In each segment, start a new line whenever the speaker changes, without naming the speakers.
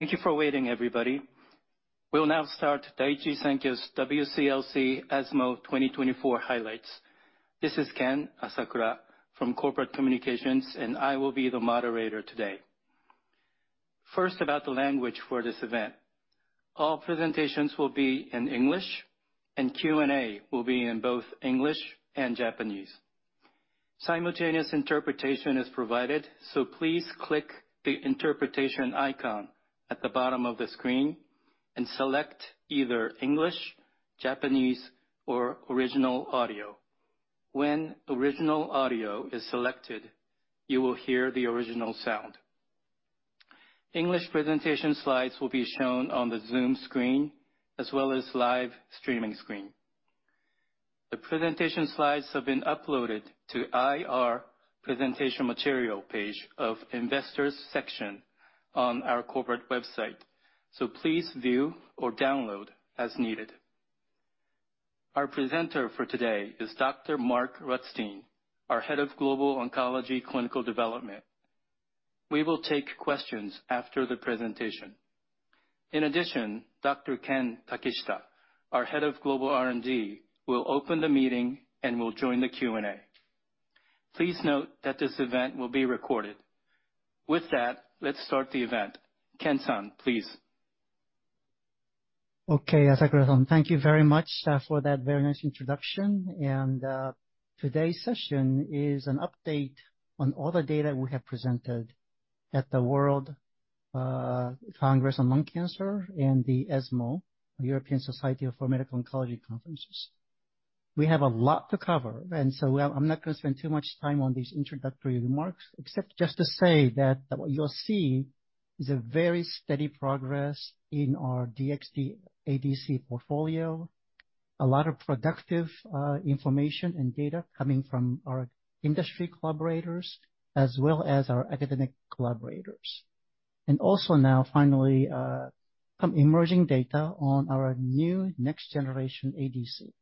Thank you for waiting, everybody. We'll now start Daiichi Sankyo's WCLC/ESMO 2024 highlights. This is Ken Asakura from Corporate Communications, I will be the moderator today. First, about the language for this event. All presentations will be in English, Q&A will be in both English and Japanese. Simultaneous interpretation is provided, please click the interpretation icon at the bottom of the screen and select either English, Japanese, or original audio. When original audio is selected, you will hear the original sound. English presentation slides will be shown on the Zoom screen as well as live streaming screen. The presentation slides have been uploaded to IR Presentation Material page of Investors section on our corporate website. Please view or download as needed. Our presenter for today is Dr. Mark Rutstein, our Head of Global Oncology Clinical Development. We will take questions after the presentation. Dr. Ken Takeshita, our Head of Global R&D, will open the meeting and will join the Q&A. Please note that this event will be recorded. With that, let's start the event. Ken-san, please.
Okay, Asakura-san. Thank you very much for that very nice introduction. Today's session is an update on all the data we have presented at the World Conference on Lung Cancer and the ESMO, the European Society for Medical Oncology conferences. We have a lot to cover, I'm not going to spend too much time on these introductory remarks, except just to say that what you'll see is a very steady progress in our DXd ADC portfolio, a lot of productive information and data coming from our industry collaborators, as well as our academic collaborators. Also now finally, some emerging data on our new next generation ADC.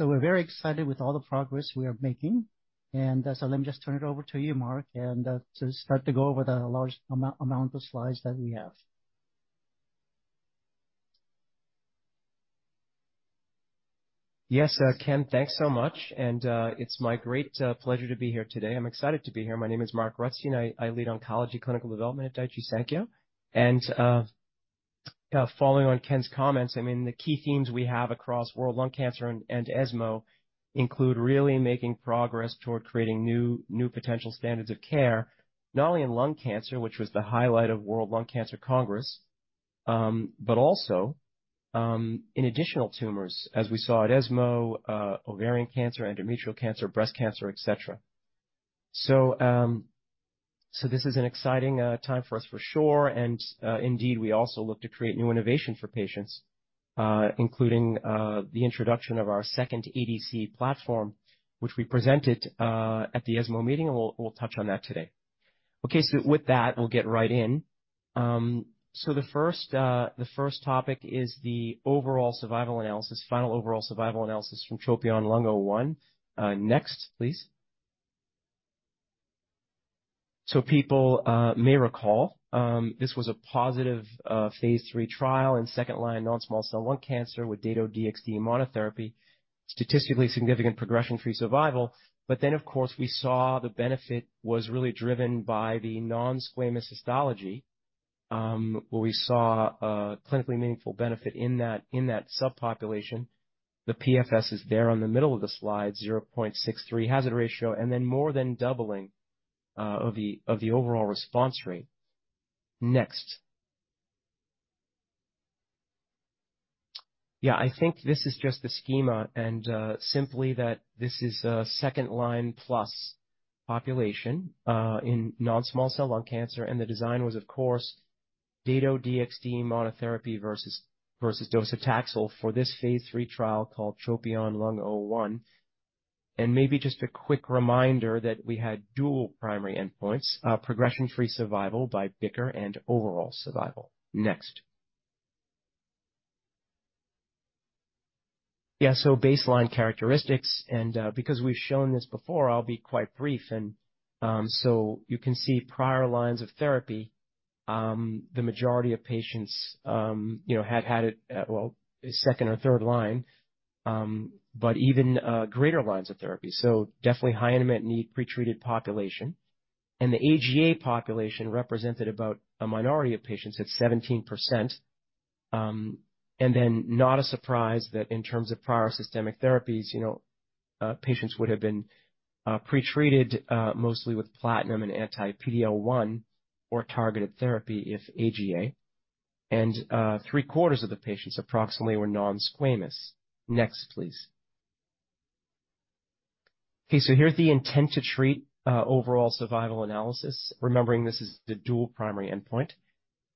We're very excited with all the progress we are making. Let me just turn it over to you, Mark, to start to go over the large amount of slides that we have.
Yes. Ken, thanks so much, it's my great pleasure to be here today. I'm excited to be here. My name is Mark Rutstein. I lead oncology clinical development at Daiichi Sankyo. Following on Ken's comments, the key themes we have across World Conference on Lung Cancer and ESMO include really making progress toward creating new potential standards of care, not only in lung cancer, which was the highlight of World Conference on Lung Cancer, but also in additional tumors as we saw at ESMO, ovarian cancer, endometrial cancer, breast cancer, et cetera. This is an exciting time for us for sure. Indeed, we also look to create new innovation for patients, including the introduction of our second ADC platform, which we presented at the ESMO meeting, we'll touch on that today. Okay. With that, we'll get right in. The first topic is the final overall survival analysis from TROPION-Lung01. Next, please. People may recall, this was a positive phase III trial in second line non-small cell lung cancer with Dato-DXd monotherapy, statistically significant progression-free survival. Of course, we saw the benefit was really driven by the non-squamous histology, where we saw a clinically meaningful benefit in that subpopulation. The PFS is there on the middle of the slide, 0.63 hazard ratio, and then more than doubling of the overall response rate. Next. I think this is just the schema and simply that this is a second line plus population in non-small cell lung cancer. The design was, of course, Dato-DXd monotherapy versus docetaxel for this phase III trial called TROPION-Lung01. Maybe just a quick reminder that we had dual primary endpoints, progression-free survival by BICR and overall survival. Next. Baseline characteristics. Because we've shown this before, I'll be quite brief. You can see prior lines of therapy. The majority of patients had it at, well, 2nd or 3rd line, but even greater lines of therapy. Definitely high unmet need pretreated population. The AGA population represented about a minority of patients at 17%. Not a surprise that in terms of prior systemic therapies, patients would have been pretreated mostly with platinum and anti-PD-L1 or targeted therapy if AGA. Three-quarters of the patients approximately were non-squamous. Next, please. Here's the intent to treat overall survival analysis, remembering this is the dual primary endpoint.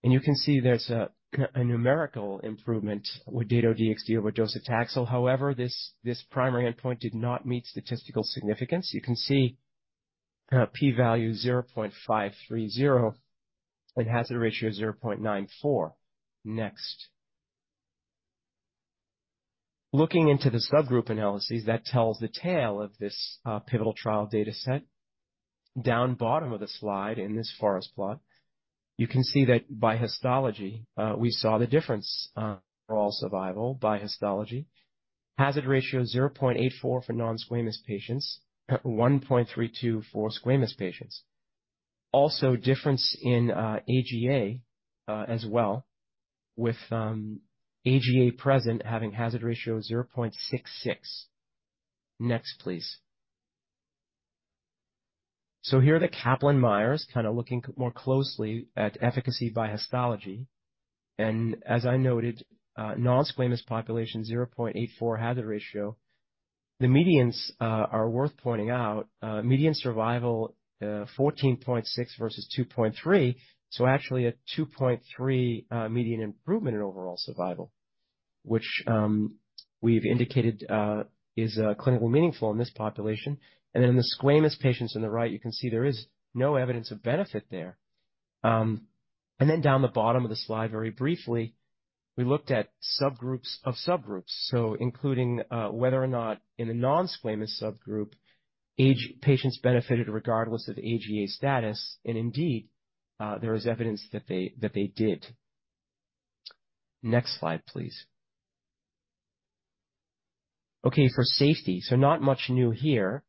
You can see there's a numerical improvement with Dato-DXd over docetaxel. However, this primary endpoint did not meet statistical significance. You can see P value 0.530 and hazard ratio 0.94. Next. Looking into the subgroup analyses, that tells the tale of this pivotal trial data set. Down bottom of the slide in this forest plot, you can see that by histology, we saw the difference, overall survival by histology. Hazard ratio 0.84 for nonsquamous patients, 1.32 for squamous patients. Also difference in AGA as well, with AGA present having hazard ratio of 0.66. Next, please. Here are the Kaplan-Meier, looking more closely at efficacy by histology. As I noted, nonsquamous population, 0.84 hazard ratio. The medians are worth pointing out. Median survival, 14.6 versus 2.3, so actually a 2.3 median improvement in overall survival, which we've indicated is clinically meaningful in this population. In the squamous patients in the right, you can see there is no evidence of benefit there. Down the bottom of the slide, very briefly, we looked at subgroups of subgroups. Including whether or not in the nonsquamous subgroup, patients benefited regardless of AGA status, and indeed, there is evidence that they did. Next slide, please. For safety. Not much new here.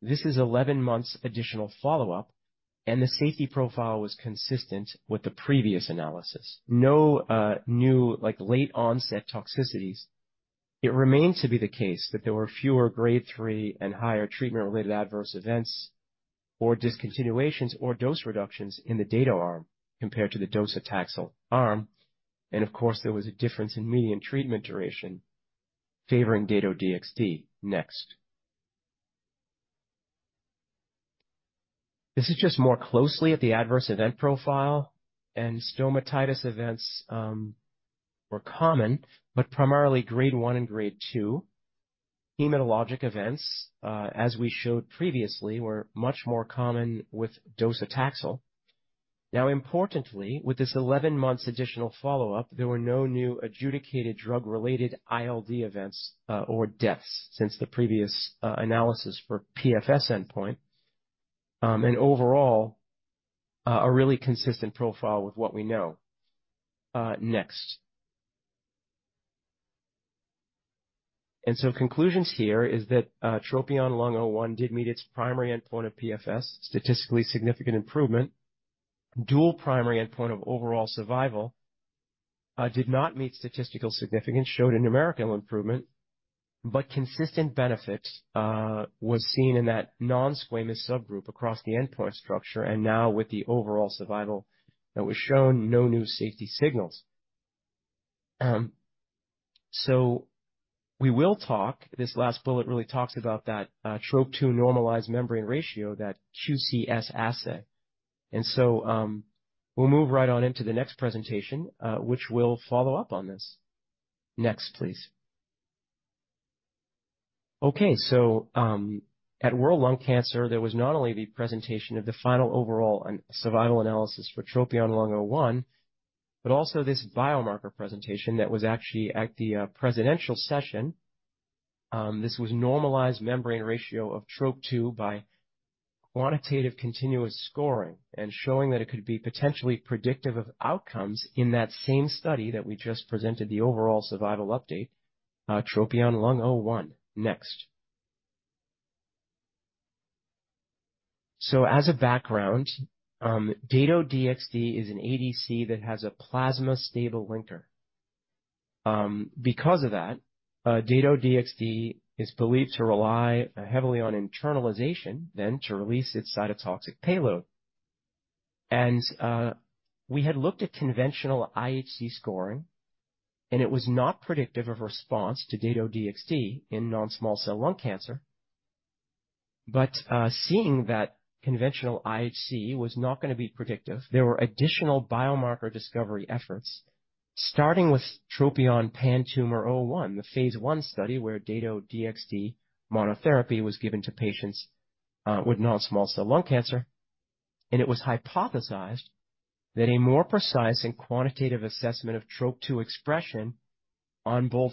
This is 11 months additional follow-up, and the safety profile was consistent with the previous analysis. No new late onset toxicities. It remains to be the case that there were fewer Grade 3 and higher treatment-related adverse events or discontinuations or dose reductions in the Dato arm compared to the docetaxel arm. Of course, there was a difference in median treatment duration favoring Dato-DXd. Next. This is just more closely at the adverse event profile, stomatitis events were common, but primarily Grade 1 and Grade 2. Hematologic events, as we showed previously, were much more common with docetaxel. Importantly, with this 11 months additional follow-up, there were no new adjudicated drug-related ILD events or deaths since the previous analysis for PFS endpoint. Overall, a really consistent profile with what we know. Next. Conclusions here is that TROPION-Lung01 did meet its primary endpoint of PFS, statistically significant improvement. Dual primary endpoint of overall survival did not meet statistical significance, showed a numerical improvement, but consistent benefits was seen in that nonsquamous subgroup across the endpoint structure and now with the overall survival that was shown, no new safety signals. We will talk, this last bullet really talks about that TROP2 normalized membrane ratio, that QCS assay. We'll move right on into the next presentation, which will follow up on this. Next, please. Okay. At World Lung Cancer, there was not only the presentation of the final overall survival analysis for TROPION-Lung01, but also this biomarker presentation that was actually at the presidential session. This was normalized membrane ratio of TROP2 by Quantitative Continuous Scoring and showing that it could be potentially predictive of outcomes in that same study that we just presented the overall survival update, TROPION-Lung01. Next. As a background, Dato-DXd is an ADC that has a plasma-stable linker. Because of that, Dato-DXd is believed to rely heavily on internalization, then to release its cytotoxic payload. We had looked at conventional IHC scoring, and it was not predictive of response to Dato-DXd in non-small cell lung cancer. Seeing that conventional IHC was not going to be predictive, there were additional biomarker discovery efforts, starting with TROPION-PanTumor01, the phase I study where Dato-DXd monotherapy was given to patients with non-small cell lung cancer. It was hypothesized that a more precise and quantitative assessment of TROP2 expression on both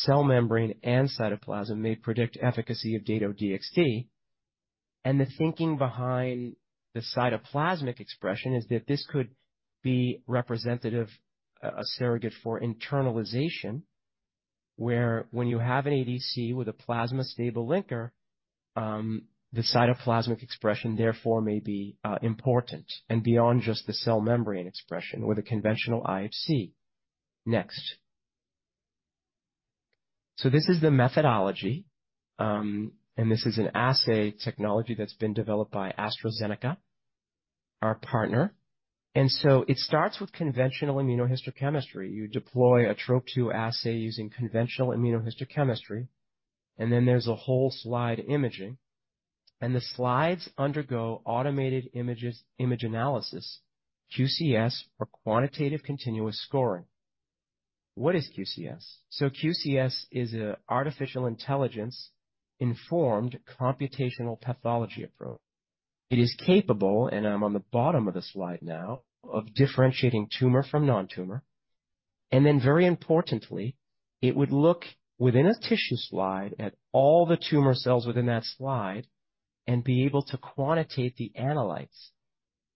cell membrane and cytoplasm may predict efficacy of Dato-DXd. The thinking behind the cytoplasmic expression is that this could be representative, a surrogate for internalization, where when you have an ADC with a plasma-stable linker, the cytoplasmic expression therefore may be important and beyond just the cell membrane expression with a conventional IHC. Next. This is the methodology, and this is an assay technology that's been developed by AstraZeneca, our partner. It starts with conventional immunohistochemistry. You deploy a TROP2 assay using conventional immunohistochemistry, and then there's a whole slide imaging. The slides undergo automated image analysis, QCS or Quantitative Continuous Scoring. What is QCS? QCS is an artificial intelligence-informed computational pathology approach. It is capable, and I'm on the bottom of the slide now, of differentiating tumor from non-tumor. Then very importantly, it would look within a tissue slide at all the tumor cells within that slide and be able to quantitate the analytes,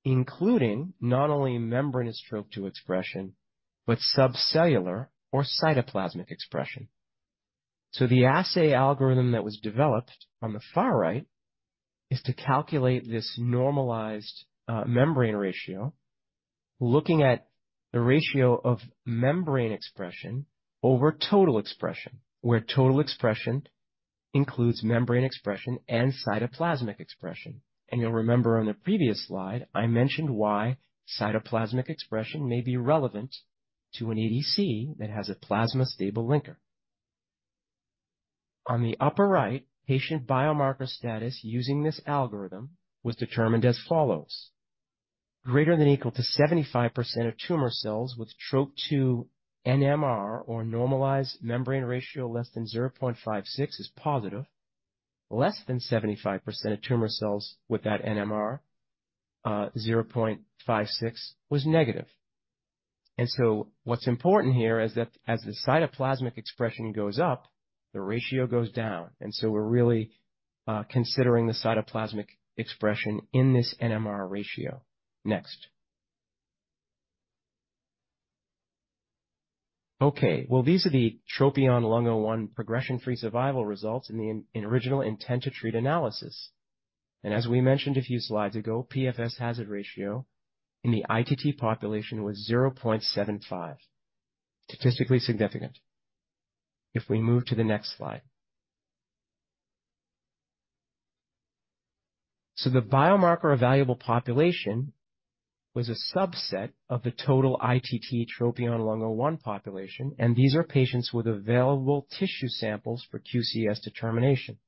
including not only membrane TROP2 expression, but subcellular or cytoplasmic expression. The assay algorithm that was developed on the far right is to calculate this Normalized Membrane Ratio, looking at the ratio of membrane expression over total expression, where total expression includes membrane expression and cytoplasmic expression. You'll remember on the previous slide, I mentioned why cytoplasmic expression may be relevant to an ADC that has a plasma stable linker. On the upper right, patient biomarker status using this algorithm was determined as follows. Greater than equal to 75% of tumor cells with TROP2 NMR or normalized membrane ratio less than 0.56 is positive, less than 75% of tumor cells with that NMR, 0.56 was negative. What's important here is that as the cytoplasmic expression goes up, the ratio goes down, we're really considering the cytoplasmic expression in this NMR ratio. Next. These are the TROPION-Lung01 progression-free survival results in the original intent-to-treat analysis. As we mentioned a few slides ago, PFS hazard ratio in the ITT population was 0.75, statistically significant. We move to the next slide. The biomarker evaluable population was a subset of the total ITT TROPION-Lung01 population, these are patients with available tissue samples for QCS determination.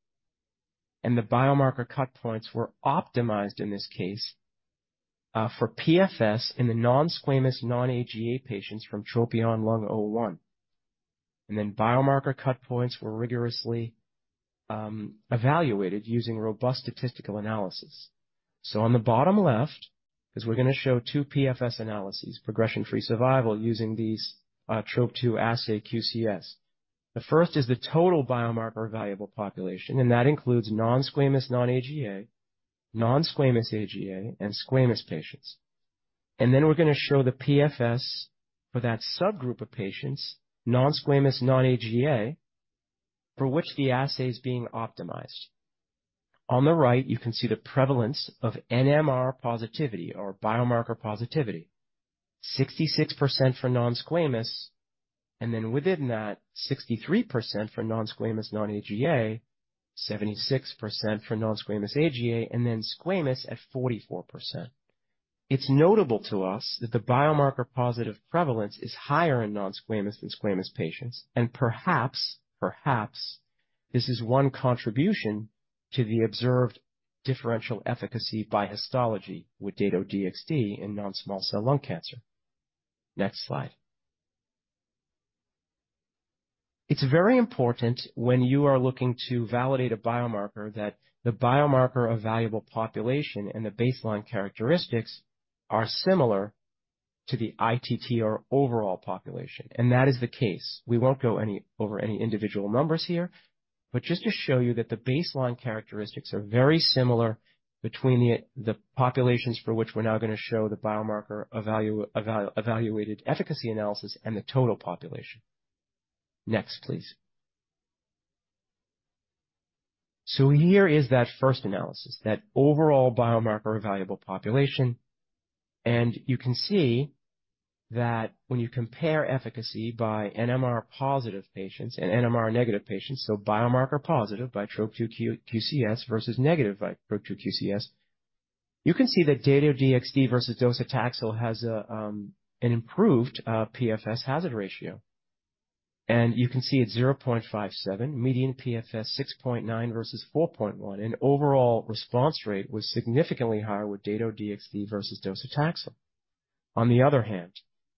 The biomarker cut points were optimized, in this case, for PFS in the non-squamous, non-AGA patients from TROPION-Lung01. Biomarker cut points were rigorously evaluated using robust statistical analysis. On the bottom left, because we're going to show two PFS analyses, progression-free survival using these TROP2 assay QCS. The first is the total biomarker evaluable population, that includes non-squamous, non-AGA, non-squamous AGA, and squamous patients. We're going to show the PFS for that subgroup of patients, non-squamous, non-AGA, for which the assay is being optimized. On the right, you can see the prevalence of NMR positivity or biomarker positivity, 66% for non-squamous, within that, 63% for non-squamous, non-AGA, 76% for non-squamous AGA, squamous at 44%. It's notable to us that the biomarker positive prevalence is higher in non-squamous than squamous patients, perhaps this is one contribution to the observed differential efficacy by histology with Dato-DXd in non-small cell lung cancer. Next slide. It's very important when you are looking to validate a biomarker that the biomarker evaluable population and the baseline characteristics are similar to the ITT or overall population, that is the case. We won't go over any individual numbers here, but just to show you that the baseline characteristics are very similar between the populations for which we're now going to show the biomarker evaluated efficacy analysis and the total population. Next, please. Here is that first analysis, that overall biomarker evaluable population. You can see that when you compare efficacy by NMR positive patients and NMR negative patients, so biomarker positive by TROP2 QCS versus negative by TROP2 QCS, you can see that Dato-DXd versus docetaxel has an improved PFS hazard ratio. You can see it's 0.57, median PFS 6.9 versus 4.1, overall response rate was significantly higher with Dato-DXd versus docetaxel. On the other hand,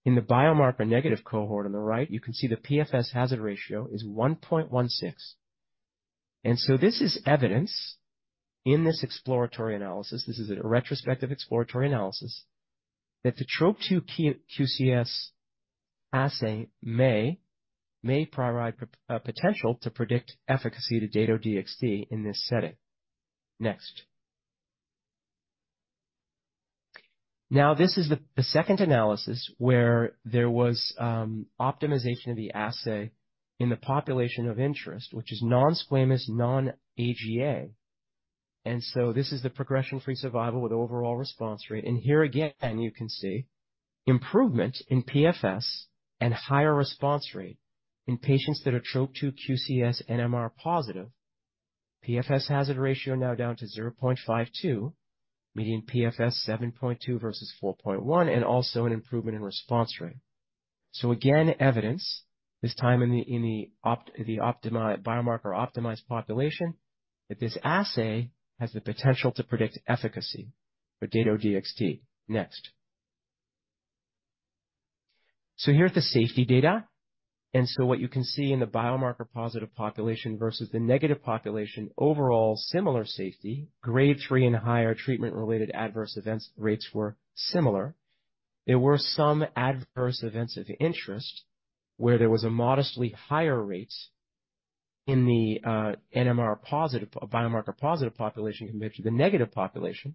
in the biomarker negative cohort on the right, you can see the PFS hazard ratio is 1.16. This is evidence in this exploratory analysis, this is a retrospective exploratory analysis, that the TROP2 QCS assay may provide potential to predict efficacy to Dato-DXd in this setting. Next. This is the second analysis where there was optimization of the assay in the population of interest, which is non-squamous, non-AGA. This is the progression-free survival with overall response rate. Here again, you can see improvement in PFS and higher response rate in patients that are TROP2 QCS NMR positive. PFS hazard ratio now down to 0.52, median PFS 7.2 versus 4.1, and also an improvement in response rate. Again, evidence, this time in the biomarker optimized population, that this assay has the potential to predict efficacy for Dato-DXd. Next. Here are the safety data. What you can see in the biomarker positive population versus the negative population, overall similar safety. Grade 3 and higher treatment-related adverse event rates were similar. There were some adverse events of interest where there was a modestly higher rates in the biomarker positive population compared to the negative population.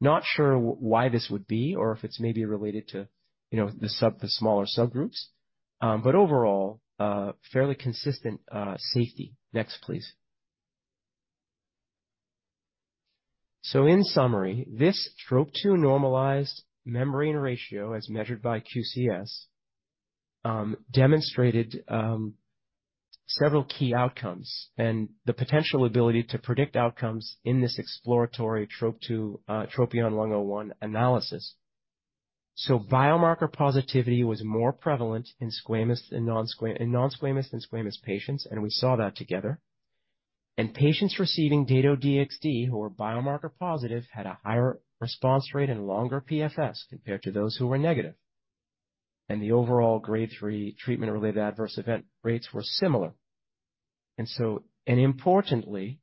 Not sure why this would be, or if it's maybe related to the smaller subgroups. Overall, fairly consistent safety. Next, please. In summary, this TROP2 normalized membrane ratio as measured by QCS, demonstrated several key outcomes and the potential ability to predict outcomes in this exploratory TROPION-Lung01 analysis. Biomarker positivity was more prevalent in non-squamous than squamous patients, and we saw that together. Patients receiving Dato-DXd who were biomarker positive had a higher response rate and longer PFS compared to those who were negative. The overall grade 3 treatment-related adverse event rates were similar. Importantly,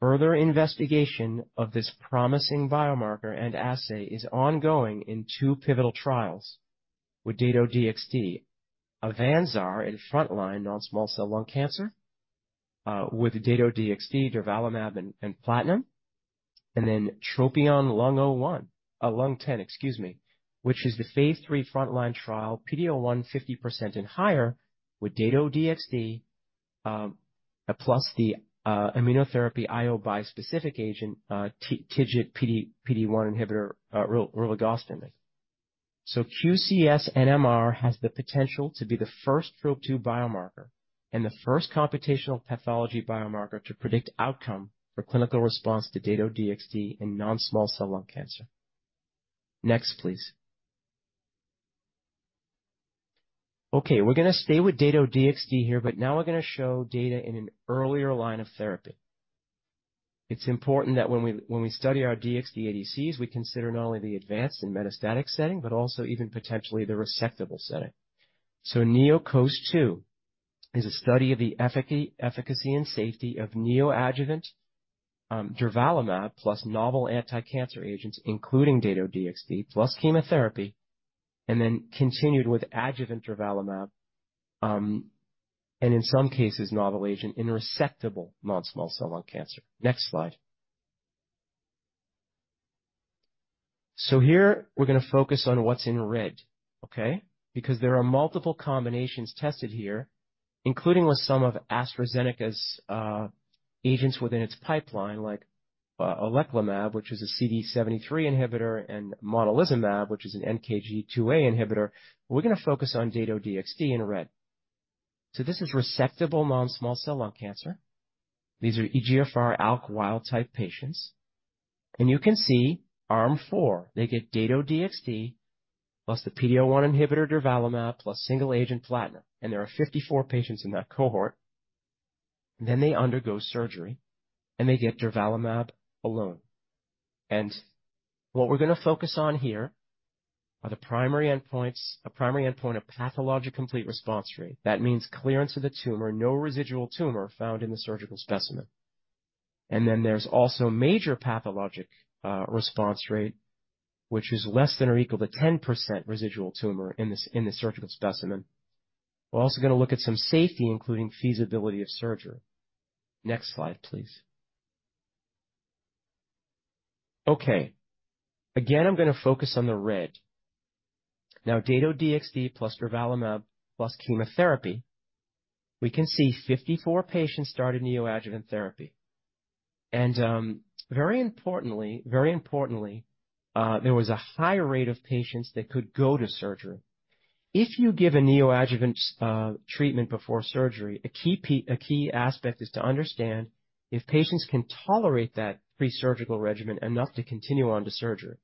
further investigation of this promising biomarker and assay is ongoing in two pivotal trials with Dato-DXd, AVANZAR in frontline non-small cell lung cancer, with Dato-DXd durvalumab and platinum. TROPION-Lung10, which is the phase III frontline trial, PD-L1 50% and higher with Dato-DXd, plus the immunotherapy IO bispecific agent, TIGIT PD-1 inhibitor rilvegostomig. QCS-NMR has the potential to be the first TROP2 biomarker and the first computational pathology biomarker to predict outcome for clinical response to Dato-DXd in non-small cell lung cancer. Next, please. We're going to stay with Dato-DXd here, but now we're going to show data in an earlier line of therapy. It's important that when we study our DXd ADCs, we consider not only the advanced and metastatic setting, but also even potentially the resectable setting. NEOCOAST-2 is a study of the efficacy and safety of neoadjuvant durvalumab plus novel anticancer agents, including Dato-DXd plus chemotherapy, and then continued with adjuvant durvalumab, and in some cases, novel agent in resectable non-small cell lung cancer. Next slide. Here we're going to focus on what's in red. Because there are multiple combinations tested here, including with some of AstraZeneca's agents within its pipeline, like oleclumab, which is a CD73 inhibitor, and monalizumab, which is an NKG2A inhibitor. We're going to focus on Dato-DXd in red. This is resectable non-small cell lung cancer. These are EGFR/ALK wild-type patients. You can see arm 4, they get Dato-DXd plus the PD-L1 inhibitor durvalumab plus single agent platinum. There are 54 patients in that cohort. They undergo surgery, and they get durvalumab alone. What we're going to focus on here are the primary endpoints. A primary endpoint of pathologic complete response rate. That means clearance of the tumor, no residual tumor found in the surgical specimen. There's also major pathologic response rate, which is less than or equal to 10% residual tumor in the surgical specimen. We're also going to look at some safety, including feasibility of surgery. Next slide, please. Okay. Again, I'm going to focus on the red. Dato-DXd plus durvalumab plus chemotherapy. We can see 54 patients started neoadjuvant therapy. Very importantly, there was a higher rate of patients that could go to surgery. If you give a neoadjuvant treatment before surgery, a key aspect is to understand if patients can tolerate that pre-surgical regimen enough to continue on to surgery.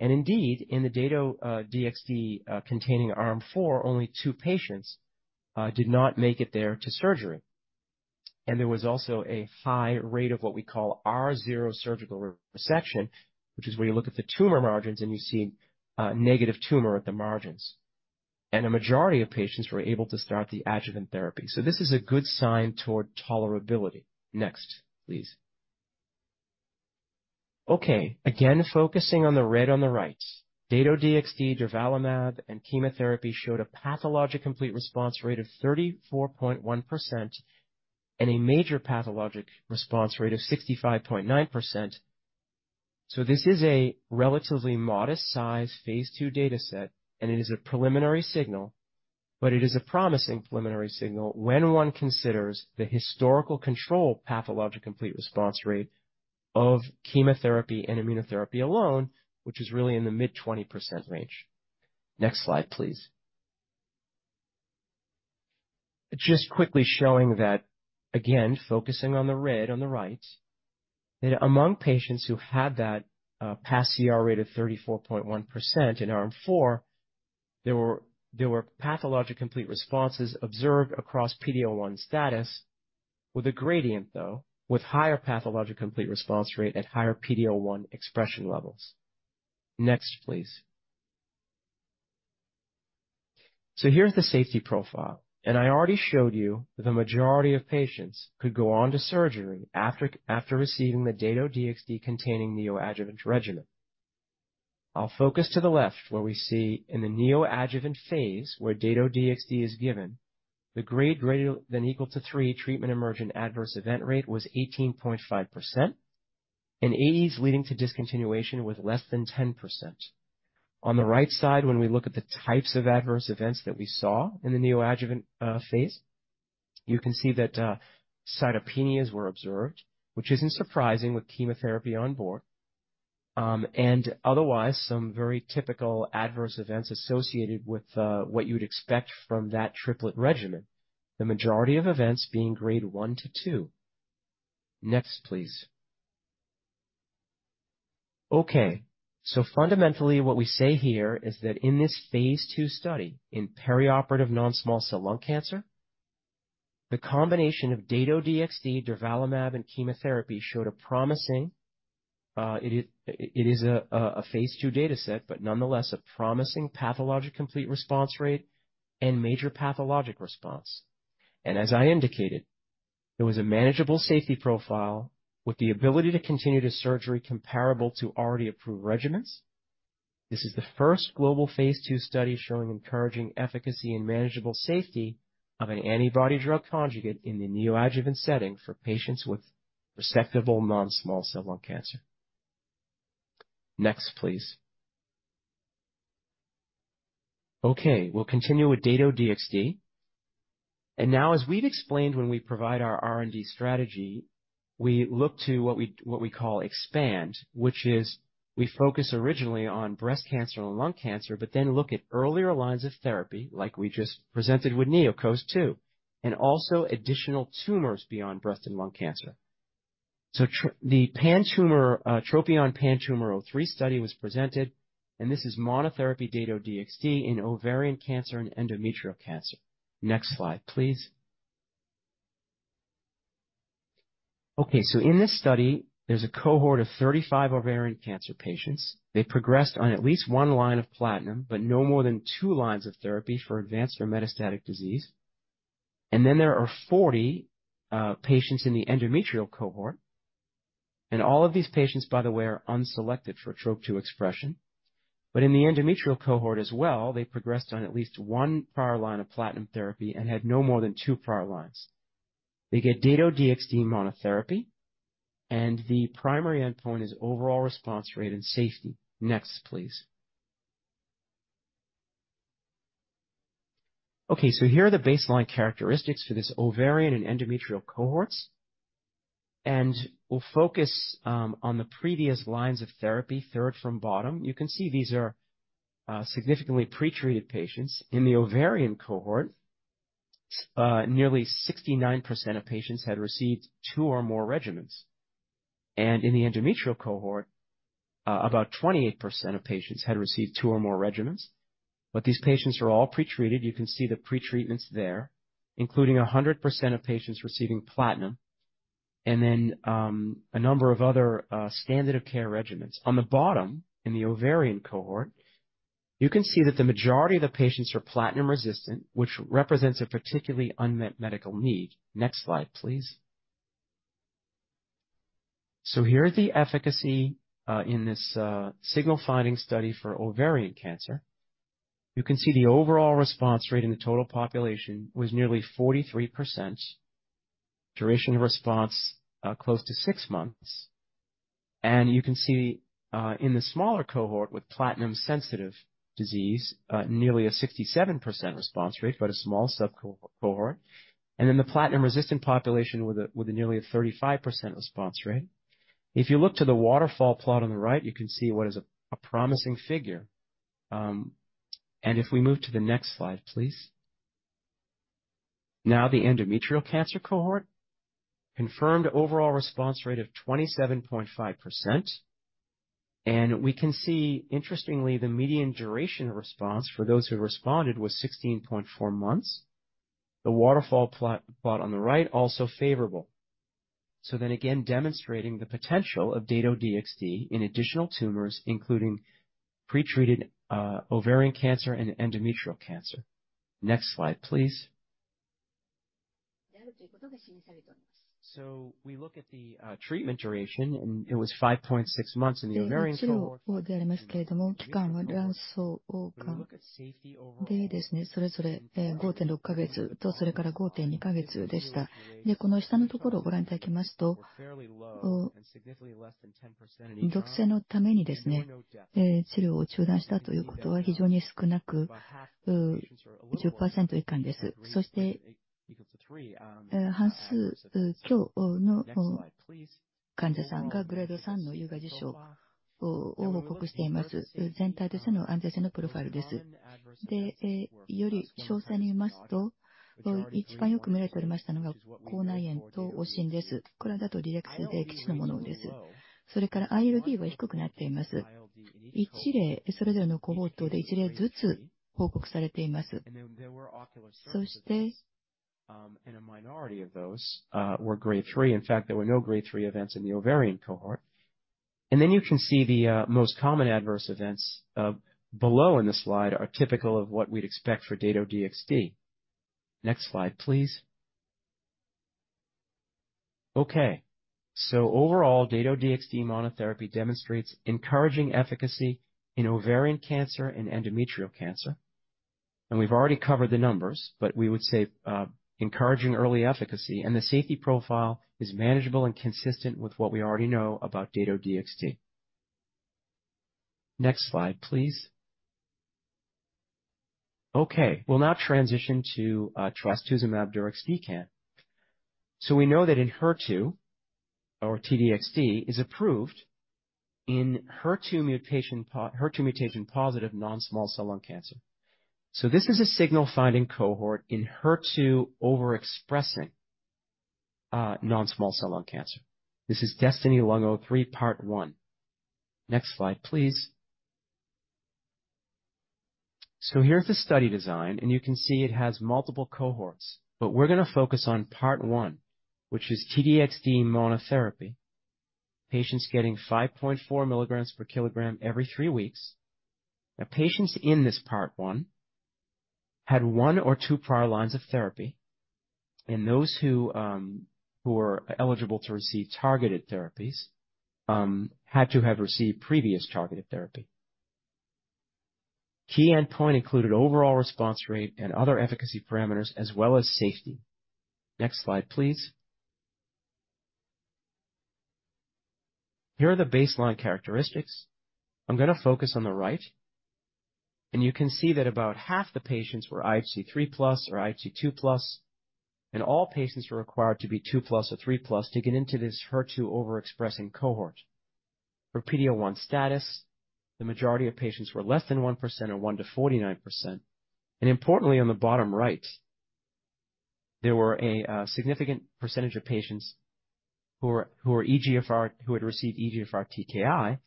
Indeed, in the Dato-DXd containing arm 4, only two patients did not make it there to surgery. There was also a high rate of what we call R0 surgical resection, which is where you look at the tumor margins and you see negative tumor at the margins. A majority of patients were able to start the adjuvant therapy. This is a good sign toward tolerability. Next, please. Okay. Again, focusing on the red on the right. Dato-DXd, durvalumab, and chemotherapy showed a pathologic complete response rate of 34.1% and a major pathologic response rate of 65.9%. This is a relatively modest size phase II data set, it is a preliminary signal, but it is a promising preliminary signal when one considers the historical control pathologic complete response rate of chemotherapy and immunotherapy alone, which is really in the mid-20% range. Next slide, please. Just quickly showing that, again, focusing on the red on the right, that among patients who had that pCR rate of 34.1% in arm 4, there were pathologic complete responses observed across PD-L1 status, with a gradient, though, with higher pathologic complete response rate and higher PD-L1 expression levels. Next, please. Here's the safety profile, I already showed you that the majority of patients could go on to surgery after receiving the Dato-DXd containing neoadjuvant regimen. I'll focus to the left where we see in the neoadjuvant phase where Dato-DXd is given, the grade greater than equal to 3 treatment emergent adverse event rate was 18.5%, and AEs leading to discontinuation was less than 10%. On the right side, when we look at the types of adverse events that we saw in the neoadjuvant phase, you can see that cytopenias were observed, which isn't surprising with chemotherapy on board. Otherwise, some very typical adverse events associated with what you'd expect from that triplet regimen. The majority of events being grade 1 to 2. Next, please. Okay, fundamentally what we say here is that in this phase II study in perioperative non-small cell lung cancer, the combination of Dato-DXd durvalumab and chemotherapy showed a promising pathologic complete response rate and major pathologic response. As I indicated, it was a manageable safety profile with the ability to continue to surgery comparable to already approved regimens. This is the first global phase II study showing encouraging efficacy and manageable safety of an antibody-drug conjugate in the neoadjuvant setting for patients with resectable non-small cell lung cancer. Next, please. Okay, we'll continue with Dato-DXd. Now as we'd explained when we provide our R&D strategy, we look to what we call expand, which is we focus originally on breast cancer and lung cancer, but then look at earlier lines of therapy like we just presented with NeoCOAST-2, also additional tumors beyond breast and lung cancer. The TROPION-PanTumor03 study was presented, this is monotherapy Dato-DXd in ovarian cancer and endometrial cancer. Next slide, please. Okay, in this study, there's a cohort of 35 ovarian cancer patients. They progressed on at least one line of platinum, but no more than two lines of therapy for advanced or metastatic disease. There are 40 patients in the endometrial cohort, and all of these patients, by the way, are unselected for TROP2 expression. In the endometrial cohort as well, they progressed on at least one prior line of platinum therapy and had no more than two prior lines. They get Dato-DXd monotherapy, the primary endpoint is overall response rate and safety. Next, please. Okay, here are the baseline characteristics for this ovarian and endometrial cohorts. We'll focus on the previous lines of therapy, third from bottom. You can see these are significantly pretreated patients. In the ovarian cohort, nearly 69% of patients had received two or more regimens. In the endometrial cohort, about 28% of patients had received two or more regimens. These patients are all pretreated. You can see the pretreatments there, including 100% of patients receiving platinum, a number of other standard of care regimens. On the bottom, in the ovarian cohort, you can see that the majority of the patients are platinum resistant, which represents a particularly unmet medical need. Next slide, please. Here are the efficacy in this signal finding study for ovarian cancer. You can see the overall response rate in the total population was nearly 43%. Duration of response, close to six months. You can see in the smaller cohort with platinum sensitive disease, nearly a 67% response rate, but a small sub cohort. The platinum-resistant population with a nearly 35% response rate. If you look to the waterfall plot on the right, you can see what is a promising figure. If we move to the next slide, please. Now, the endometrial cancer cohort. Confirmed overall response rate of 27.5%. We can see, interestingly, the median duration response for those who responded was 16.4 months. The waterfall plot on the right, also favorable. Again, demonstrating the potential of Dato-DXd in additional tumors, including pretreated ovarian cancer and endometrial cancer. Next slide, please. We look at the treatment duration, encouraging early efficacy and the safety profile is manageable and consistent with what we already know about Dato-DXd. Next slide, please. Okay. We'll now transition to trastuzumab deruxtecan. We know that in HER2 or T-DXd is approved in HER2 mutation-positive non-small cell lung cancer. This is a signal finding cohort in HER2 overexpressing non-small cell lung cancer. This is DESTINY-Lung03, part one. Next slide, please. Here's the study design, and you can see it has multiple cohorts. We're going to focus on part one, which is T-DXd monotherapy, patients getting 5.4 milligrams per kilogram every three weeks. Now, patients in this part one had one or two prior lines of therapy, and those who were eligible to receive targeted therapies, had to have received previous targeted therapy. Key endpoint included overall response rate and other efficacy parameters as well as safety. Next slide, please. Here are the baseline characteristics. I'm going to focus on the right, and you can see that about half the patients were IHC 3 plus or IHC 2 plus, and all patients were required to be 2 plus or 3 plus to get into this HER2 overexpressing cohort. For PD-L1 status, the majority of patients were less than 1% or 1% to 49%. Importantly, on the bottom right, there were a significant percentage of patients who had received EGFR TKI,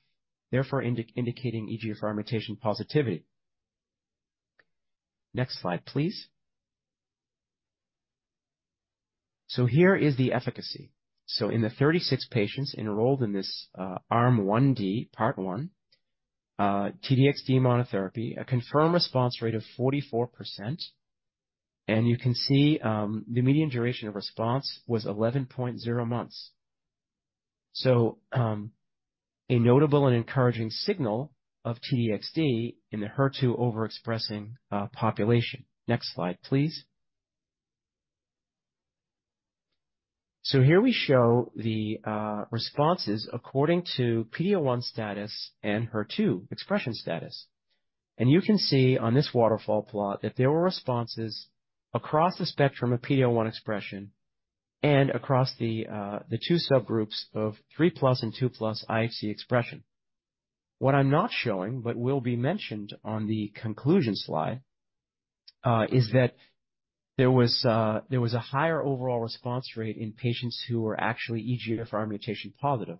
therefore indicating EGFR mutation positivity. Next slide, please. Here is the efficacy. In the 36 patients enrolled in this arm 1D, part one, T-DXd monotherapy, a confirmed response rate of 44%. You can see, the median duration of response was 11.0 months. A notable and encouraging signal of T-DXd in the HER2 overexpressing population. Next slide, please. Here we show the responses according to PD-L1 status and HER2 expression status. You can see on this waterfall plot that there were responses across the spectrum of PD-L1 expression and across the two subgroups of 3 plus and 2 plus IHC expression. What I'm not showing, but will be mentioned on the conclusion slide, is that there was a higher overall response rate in patients who were actually EGFR mutation positive.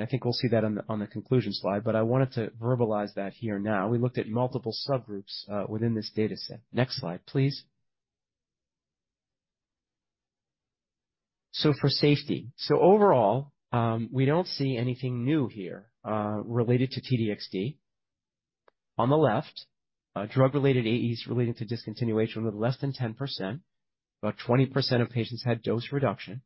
I think we'll see that on the conclusion slide, but I wanted to verbalize that here now. We looked at multiple subgroups within this data set. Next slide, please. For safety. Overall, we don't see anything new here related to T-DXd. On the left, drug-related AEs related to discontinuation were less than 10%. About 20% of patients had dose reduction.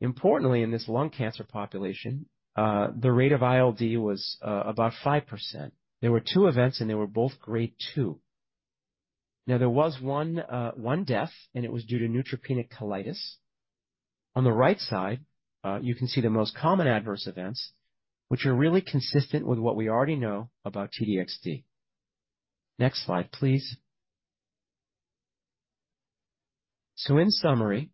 Importantly, in this lung cancer population, the rate of ILD was about 5%. There were 2 events, and they were both grade 2. There was one death, and it was due to neutropenic colitis. On the right side, you can see the most common adverse events, which are really consistent with what we already know about T-DXd. Next slide, please. In summary,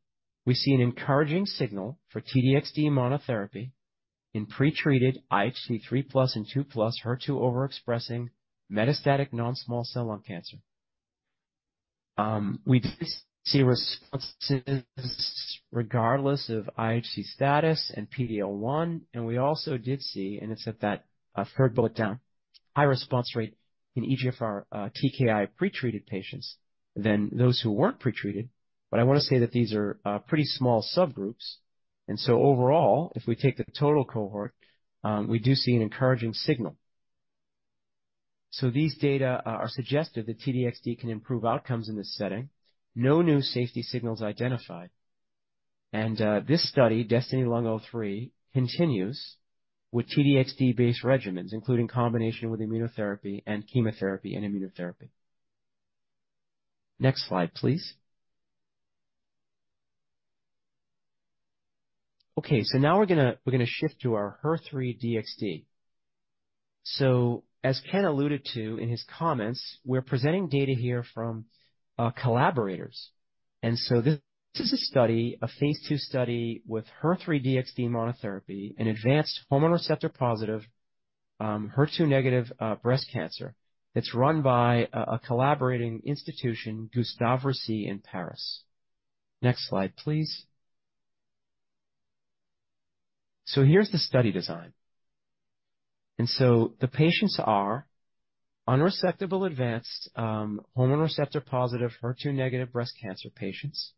we see an encouraging signal for T-DXd monotherapy in pretreated IHC 3 plus and 2 plus HER2 overexpressing metastatic non-small cell lung cancer. We did see responses regardless of IHC status and PD-L1, we also did see, and it's at that third bullet down, high response rate in EGFR TKI pretreated patients than those who weren't pretreated. I want to say that these are pretty small subgroups. Overall, if we take the total cohort, we do see an encouraging signal. These data are suggestive that T-DXd can improve outcomes in this setting. No new safety signals identified. This study, DESTINY-Lung03, continues with T-DXd-based regimens, including combination with immunotherapy and chemotherapy and immunotherapy. Next slide, please. Okay. Now we're going to shift to our HER3-DXd. As Ken alluded to in his comments, we're presenting data here from collaborators. This is a study, a phase II study with HER3-DXd monotherapy in advanced hormone receptor-positive, HER2 negative breast cancer that's run by a collaborating institution, Gustave Roussy in Paris. Next slide, please. Here's the study design. The patients are unresectable advanced hormone receptor positive, HER2 negative breast cancer patients.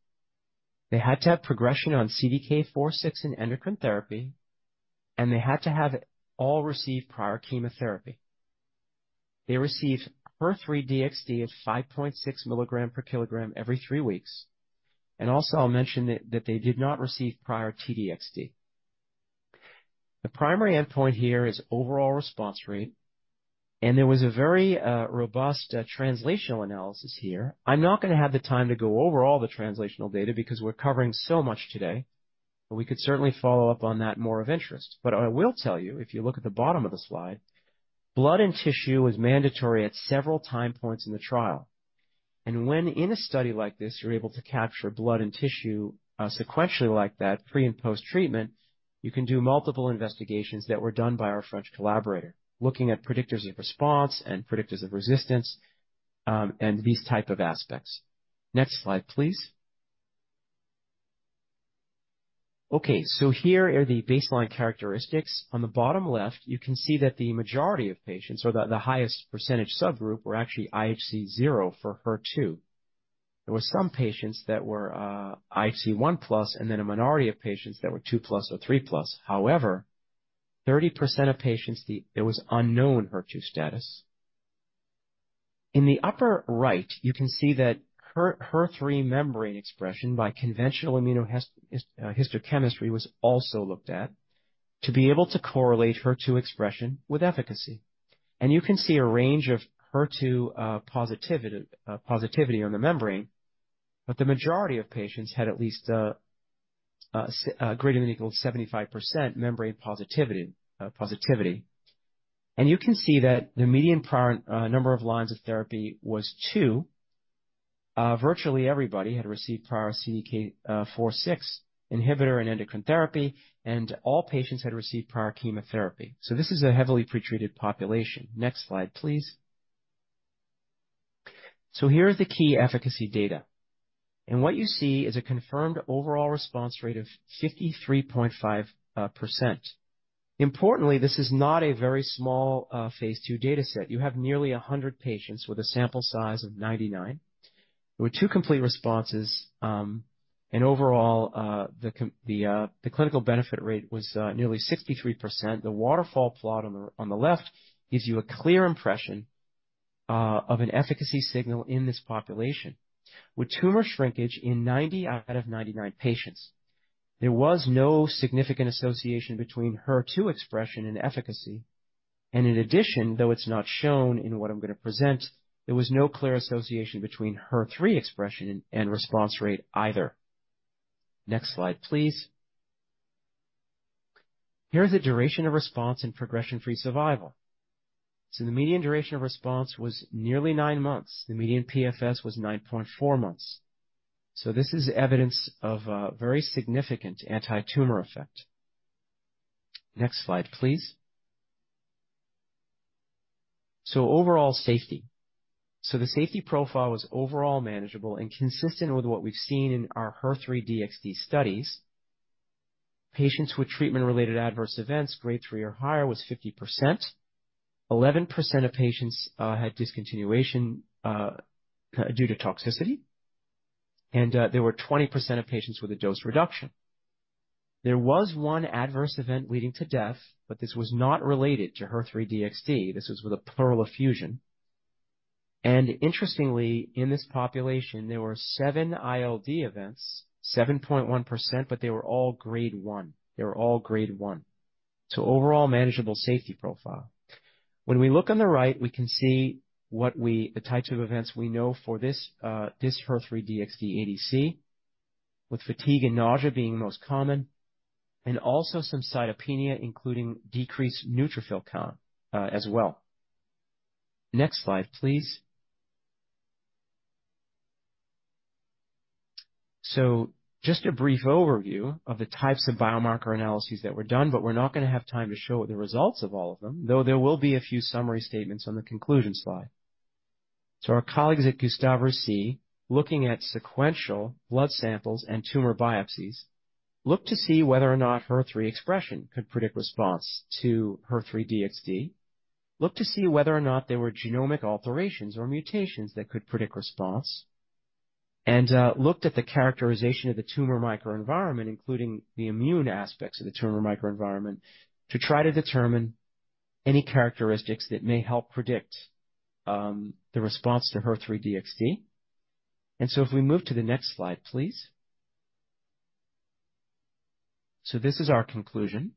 They had to have progression on CDK 4/6 and endocrine therapy, and they had to have all received prior chemotherapy. They received HER3-DXd at 5.6 mg/kg every three weeks. Also, I'll mention that they did not receive prior T-DXd. The primary endpoint here is overall response rate, and there was a very robust translational analysis here. I'm not going to have the time to go over all the translational data because we're covering so much today, we could certainly follow up on that more of interest. I will tell you, if you look at the bottom of the slide, blood and tissue is mandatory at several time points in the trial. When in a study like this, you're able to capture blood and tissue sequentially like that, pre and post-treatment, you can do multiple investigations that were done by our French collaborator, looking at predictors of response and predictors of resistance, and these type of aspects. Next slide, please. Here are the baseline characteristics. On the bottom left, you can see that the majority of patients or the highest percentage subgroup were actually IHC 0 for HER2. There were some patients that were IHC 1+, then a minority of patients that were 2+ or 3+. However, 30% of patients, it was unknown HER2 status. In the upper right, you can see that HER3 membrane expression by conventional immunohistochemistry was also looked at to be able to correlate HER2 expression with efficacy. You can see a range of HER2 positivity on the membrane. The majority of patients had at least a greater than equal 75% membrane positivity. You can see that the median prior number of lines of therapy was two. Virtually everybody had received prior CDK4/6 inhibitor and endocrine therapy, and all patients had received prior chemotherapy. This is a heavily pretreated population. Next slide, please. Here are the key efficacy data. What you see is a confirmed overall response rate of 53.5%. Importantly, this is not a very small phase II dataset. You have nearly 100 patients with a sample size of 99. There were two complete responses. Overall, the clinical benefit rate was nearly 63%. The waterfall plot on the left gives you a clear impression of an efficacy signal in this population. With tumor shrinkage in 90 out of 99 patients, there was no significant association between HER2 expression and efficacy. In addition, though it's not shown in what I'm going to present, there was no clear association between HER3 expression and response rate either. Next slide, please. Here is the duration of response in progression-free survival. The median duration of response was nearly nine months. The median PFS was 9.4 months. This is evidence of a very significant anti-tumor effect. Next slide, please. Overall safety. The safety profile was overall manageable and consistent with what we've seen in our HER3-DXd studies. Patients with treatment-related adverse events Grade 3 or higher was 50%. 11% of patients had discontinuation due to toxicity, there were 20% of patients with a dose reduction. There was one adverse event leading to death, this was not related to HER3-DXd. This was with a pleural effusion. Interestingly, in this population, there were seven ILD events, 7.1%, but they were all Grade 1. Overall manageable safety profile. When we look on the right, we can see the types of events we know for this HER3-DXd ADC, with fatigue and nausea being the most common, also some cytopenia, including decreased neutrophil count as well. Next slide, please. Just a brief overview of the types of biomarker analyses that were done, but we're not going to have time to show the results of all of them, though there will be a few summary statements on the conclusion slide. Our colleagues at Gustave Roussy, looking at sequential blood samples and tumor biopsies, looked to see whether or not HER3 expression could predict response to HER3-DXd, looked to see whether or not there were genomic alterations or mutations that could predict response, and looked at the characterization of the tumor microenvironment, including the immune aspects of the tumor microenvironment, to try to determine any characteristics that may help predict the response to HER3-DXd. If we move to the next slide, please. This is our conclusion.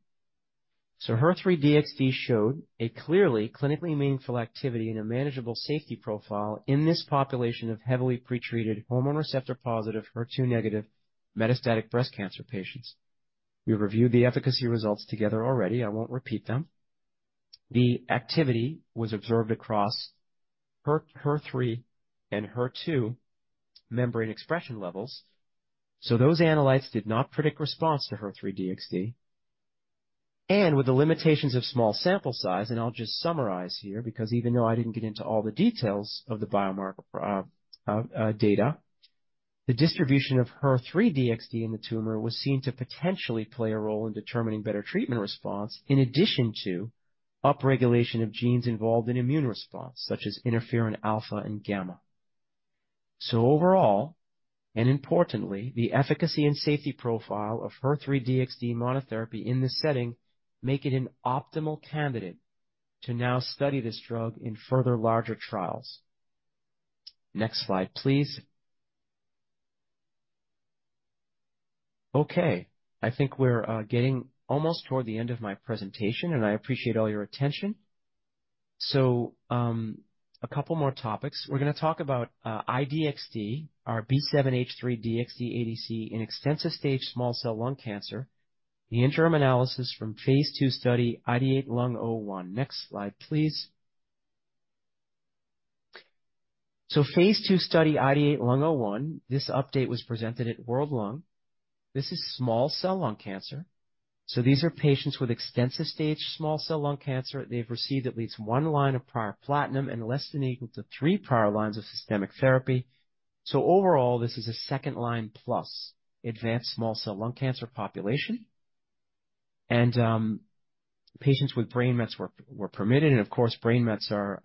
HER3-DXd showed a clearly clinically meaningful activity and a manageable safety profile in this population of heavily pretreated hormone receptor-positive, HER2 negative metastatic breast cancer patients. We reviewed the efficacy results together already. I won't repeat them. The activity was observed across HER3 and HER2 membrane expression levels. Those analytes did not predict response to HER3-DXd. With the limitations of small sample size, and I'll just summarize here, because even though I didn't get into all the details of the biomarker data, the distribution of HER3-DXd in the tumor was seen to potentially play a role in determining better treatment response in addition to up-regulation of genes involved in immune response, such as interferon alpha and gamma. Overall, and importantly, the efficacy and safety profile of HER3-DXd monotherapy in this setting make it an optimal candidate to now study this drug in further larger trials. Next slide, please. Okay. I think we're getting almost toward the end of my presentation, and I appreciate all your attention. A couple more topics. We're going to talk about iDXd, our B7-H3-DXd ADC in extensive stage small cell lung cancer. The interim analysis from phase II study IDeate-Lung01. Next slide, please. Phase II study IDeate-Lung01, this update was presented at World Lung. This is small cell lung cancer. These are patients with extensive stage small cell lung cancer. They've received at least one line of prior platinum and less than equal to three prior lines of systemic therapy. Overall, this is a second line plus advanced small cell lung cancer population. Patients with brain mets were permitted, and of course, brain mets have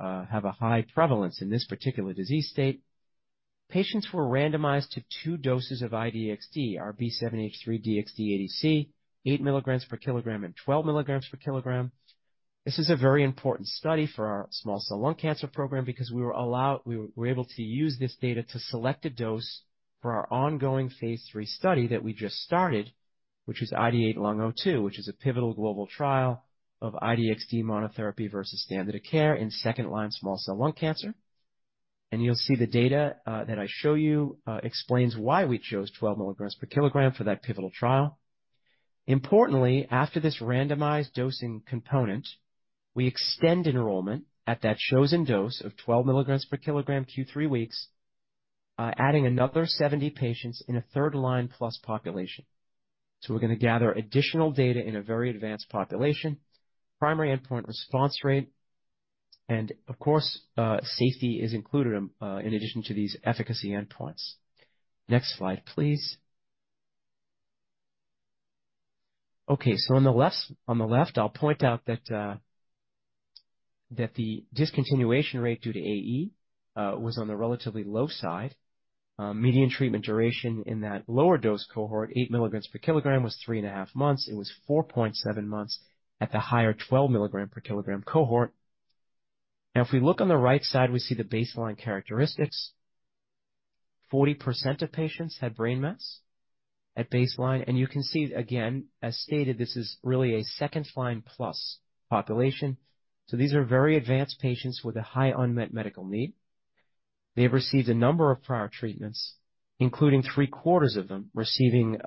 a high prevalence in this particular disease state. Patients were randomized to two doses of iDXd, our B7-H3-DXd ADC, eight milligrams per kilogram and 12 milligrams per kilogram. This is a very important study for our small cell lung cancer program because we were able to use this data to select a dose for our ongoing phase III study that we just started, which is IDeate-Lung02, which is a pivotal global trial of iDXd monotherapy versus standard of care in second-line small cell lung cancer. You'll see the data that I show you explains why we chose 12 milligrams per kilogram for that pivotal trial. Importantly, after this randomized dosing component, we extend enrollment at that chosen dose of 12 milligrams per kilogram Q3 weeks, adding another 70 patients in a third-line plus population. We're going to gather additional data in a very advanced population. Primary endpoint response rate, and of course, safety is included, in addition to these efficacy endpoints. Next slide, please. Okay. On the left, I'll point out that the discontinuation rate due to AE was on the relatively low side. Median treatment duration in that lower dose cohort, eight milligrams per kilogram, was three and a half months. It was 4.7 months at the higher 12 milligrams per kilogram cohort. If we look on the right side, we see the baseline characteristics. 40% of patients had brain mets at baseline, and you can see, again, as stated, this is really a second-line plus population. These are very advanced patients with a high unmet medical need. They've received a number of prior treatments, including three-quarters of them receiving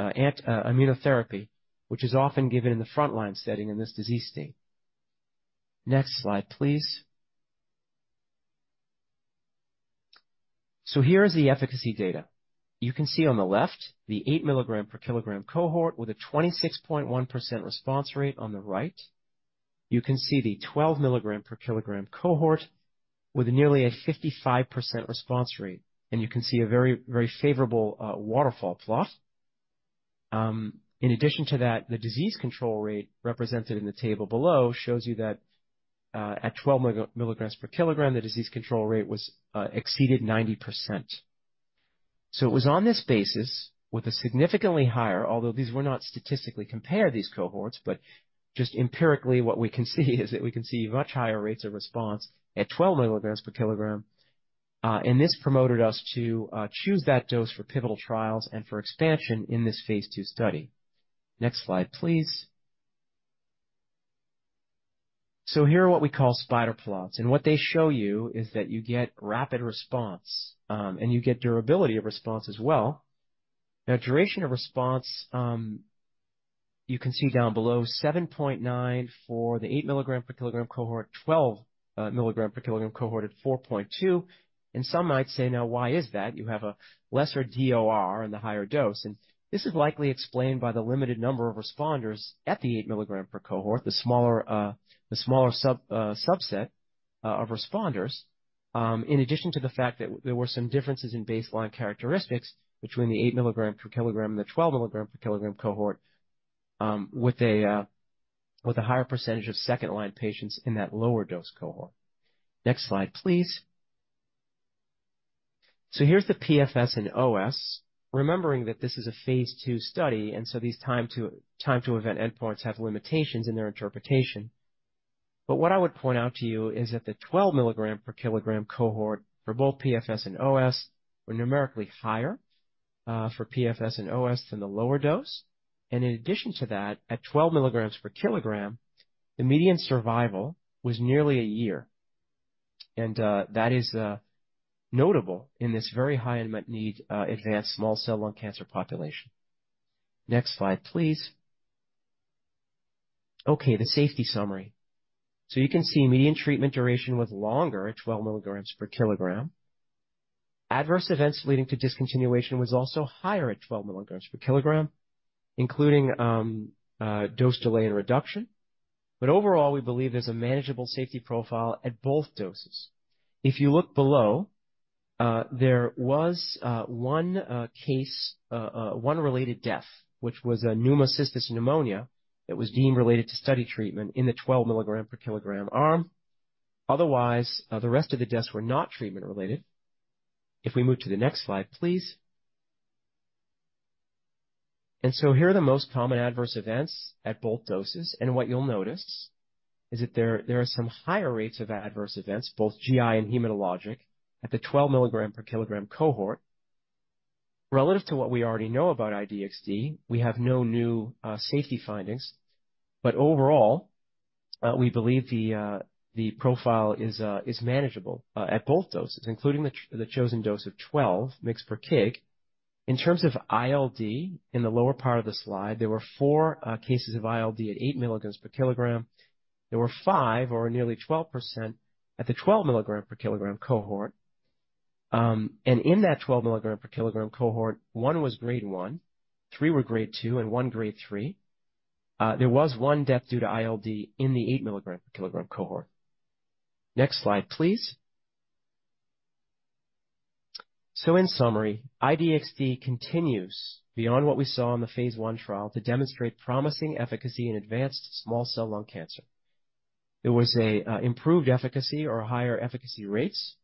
immunotherapy, which is often given in the frontline setting in this disease state. Next slide, please. Here is the efficacy data. You can see on the left the eight milligrams per kilogram cohort with a 26.1% response rate. On the right, you can see the 12 milligrams per kilogram cohort with nearly a 55% response rate. You can see a very favorable waterfall plot. In addition to that, the disease control rate represented in the table below shows you that at 12 milligrams per kilogram, the disease control rate exceeded 90%. It was on this basis with a significantly higher, although these were not statistically compared, these cohorts, but just empirically, what we can see is that we can see much higher rates of response at 12 milligrams per kilogram. This promoted us to choose that dose for pivotal trials and for expansion in this phase II study. Next slide, please. Here are what we call spider plots, what they show you is that you get rapid response, and you get durability of response as well. Duration of response, you can see down below, 7.9 for the eight milligrams per kilogram cohort, 12 milligrams per kilogram cohort at 4.2. Some might say, "Why is that? You have a lesser DOR in the higher dose." This is likely explained by the limited number of responders at the eight milligrams per cohort, the smaller subset of responders, in addition to the fact that there were some differences in baseline characteristics between the eight milligrams per kilogram and the 12 milligrams per kilogram cohort, with a higher percentage of second-line patients in that lower dose cohort. Next slide, please. Here's the PFS and OS, remembering that this is a phase II study, these time to event endpoints have limitations in their interpretation. What I would point out to you is that the 12 milligrams per kilogram cohort for both PFS and OS were numerically higher, for PFS and OS than the lower dose. In addition to that, at 12 milligrams per kilogram, the median survival was nearly a year. That is notable in this very high unmet need advanced small cell lung cancer population. Next slide, please. Okay. The safety summary. You can see median treatment duration was longer at 12 milligrams per kilogram. Adverse events leading to discontinuation was also higher at 12 milligrams per kilogram, including dose delay and reduction. Overall, we believe there's a manageable safety profile at both doses. If you look below, there was one case, one related death, which was a pneumocystis pneumonia that was deemed related to study treatment in the 12 mg per kg arm. Otherwise, the rest of the deaths were not treatment-related. If we move to the next slide, please. Here are the most common adverse events at both doses, and what you'll notice is that there are some higher rates of adverse events, both GI and hematologic, at the 12 mg per kg cohort. Relative to what we already know about I-DXd, we have no new safety findings. Overall, we believe the profile is manageable at both doses, including the chosen dose of 12 mg per kg. In terms of ILD, in the lower part of the slide, there were 4 cases of ILD at 8 mg per kg. There were 5 or nearly 12% at the 12 mg per kg cohort. In that 12 mg per kg cohort, one was grade 1, 3 were grade 2, and one grade 3. There was 1 death due to ILD in the 8 mg per kg cohort. Next slide, please. In summary, I-DXd continues beyond what we saw in the phase I trial to demonstrate promising efficacy in advanced small cell lung cancer. There was improved efficacy or higher efficacy rates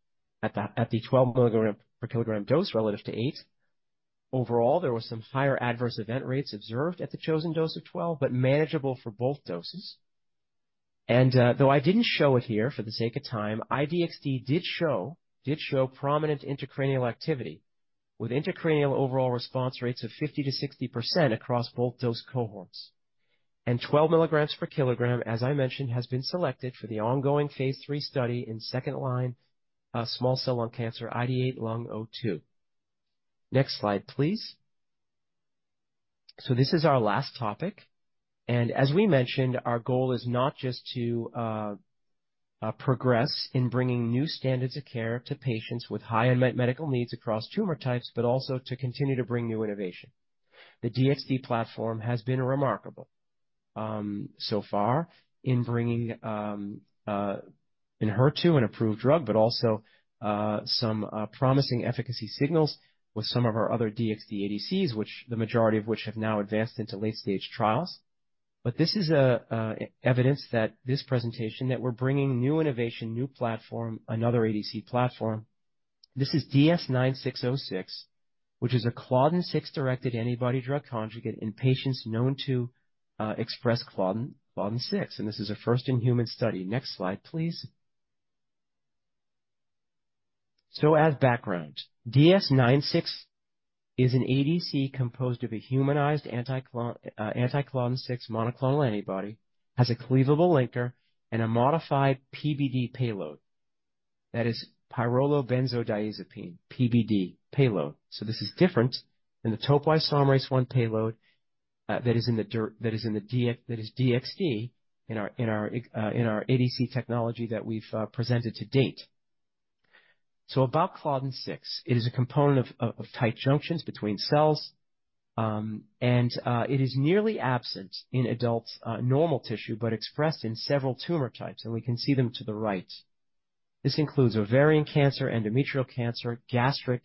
at the 12 mg per kg dose relative to 8. Overall, there were some higher adverse event rates observed at the chosen dose of 12, but manageable for both doses. Though I didn't show it here for the sake of time, I-DXd did show prominent intracranial activity with intracranial overall response rates of 50%-60% across both dose cohorts. 12 mg per kg, as I mentioned, has been selected for the ongoing phase III study in second line small cell lung cancer, IDeate-Lung02. Next slide, please. This is our last topic. As we mentioned, our goal is not just to progress in bringing new standards of care to patients with high unmet medical needs across tumor types, but also to continue to bring new innovation. The DXd platform has been remarkable so far in bringing in HER2, an approved drug, but also some promising efficacy signals with some of our other DXd ADCs, the majority of which have now advanced into late-stage trials. This is evidence that this presentation that we're bringing new innovation, new platform, another ADC platform. This is DS-9606, which is a claudin 6-directed antibody drug conjugate in patients known to express claudin 6, and this is a first-in-human study. Next slide, please. As background, DS-9606 is an ADC composed of a humanized anti-claudin 6 monoclonal antibody, has a cleavable linker, and a modified PBD payload. That is pyrrolobenzodiazepine, PBD payload. This is different than the topoisomerase I payload that is DXd in our ADC technology that we've presented to date. About claudin 6, it is a component of tight junctions between cells, and it is nearly absent in adults' normal tissue, but expressed in several tumor types, and we can see them to the right. This includes ovarian cancer, endometrial cancer, gastric,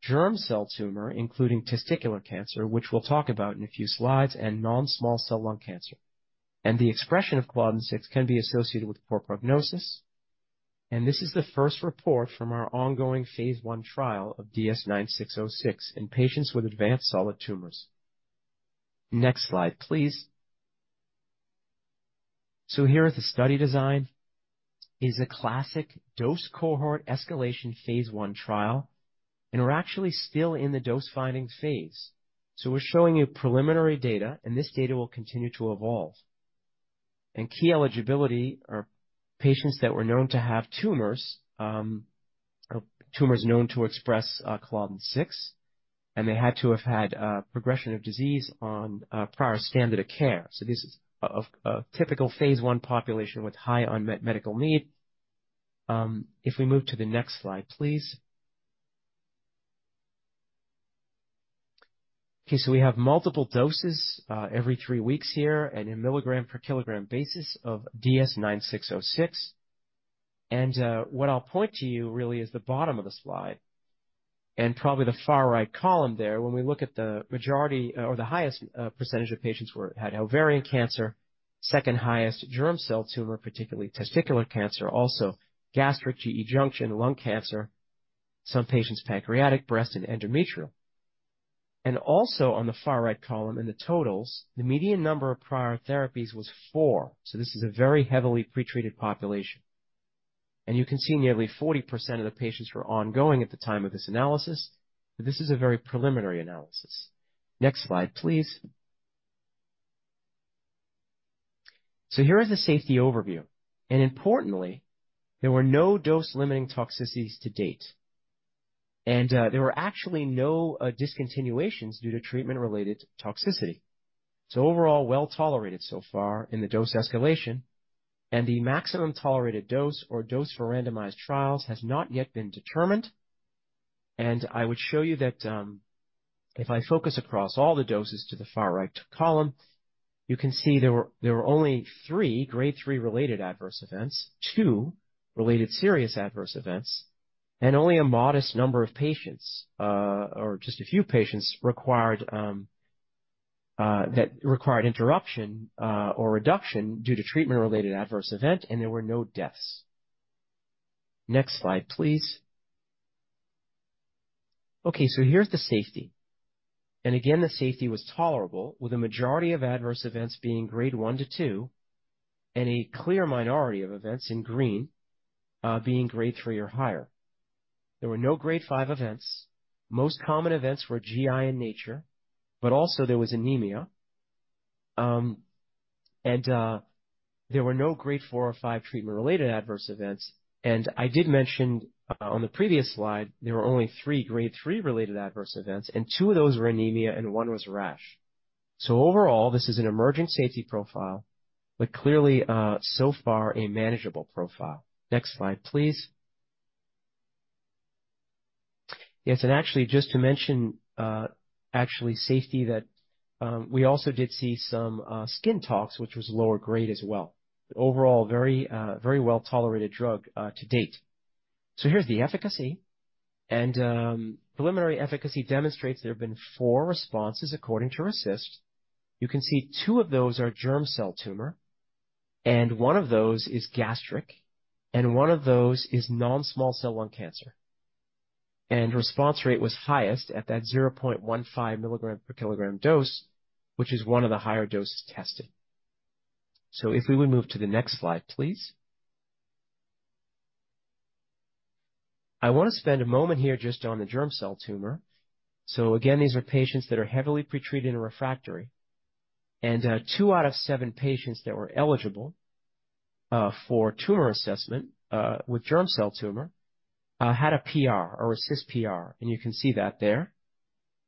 germ cell tumor, including testicular cancer, which we'll talk about in a few slides, and non-small cell lung cancer. The expression of claudin 6 can be associated with poor prognosis. This is the first report from our ongoing phase I trial of DS-9606 in patients with advanced solid tumors. Next slide, please. Here is the study design, is a classic dose cohort escalation phase I trial. We're actually still in the dose-finding phase. We're showing you preliminary data. This data will continue to evolve. Key eligibility are patients that were known to have tumors known to express claudin 6, and they had to have had progression of disease on prior standard of care. This is a typical phase I population with high unmet medical need. If we move to the next slide, please. We have multiple doses every 3 weeks here and in milligram per kilogram basis of DS-9606. What I'll point to you really is the bottom of the slide and probably the far right column there. When we look at the majority or the highest percentage of patients had ovarian cancer, second highest germ cell tumor, particularly testicular cancer, also gastric GE junction, lung cancer, some patients pancreatic, breast, and endometrial. Also on the far right column in the totals, the median number of prior therapies was 4, this is a very heavily pretreated population. You can see nearly 40% of the patients were ongoing at the time of this analysis. This is a very preliminary analysis. Next slide, please. Here is the safety overview. Importantly, there were no dose-limiting toxicities to date, and there were actually no discontinuations due to treatment-related toxicity. Overall, well-tolerated so far in the dose escalation, and the maximum tolerated dose or dose for randomized trials has not yet been determined. I would show you that if I focus across all the doses to the far right column, you can see there were only 3 Grade 3 related adverse events, 2 related serious adverse events, and only a modest number of patients, or just a few patients, that required interruption or reduction due to treatment-related adverse event, and there were no deaths. Next slide, please. Here's the safety. Again, the safety was tolerable, with a majority of adverse events being Grade 1 to 2, and a clear minority of events, in green, being Grade 3 or higher. There were no Grade 5 events. Most common events were GI in nature, but also there was anemia. There were no Grade 4 or 5 treatment-related adverse events. I did mention on the previous slide, there were only 3 Grade 3 related adverse events, and 2 of those were anemia, and one was rash. Overall, this is an emerging safety profile, but clearly, so far, a manageable profile. Next slide, please. Yes, actually, just to mention actually safety that we also did see some skin tox, which was lower grade as well. Overall, a very well-tolerated drug to date. Here's the efficacy. Preliminary efficacy demonstrates there have been 4 responses according to RECIST. You can see 2 of those are germ cell tumor, and one of those is gastric, and one of those is non-small cell lung cancer. Response rate was highest at that 0.15 milligram per kilogram dose, which is one of the higher doses tested. If we would move to the next slide, please. I want to spend a moment here just on the germ cell tumor. Again, these are patients that are heavily pretreated and refractory. two out of seven patients that were eligible for tumor assessment with germ cell tumor had a PR or RECIST PR. You can see that there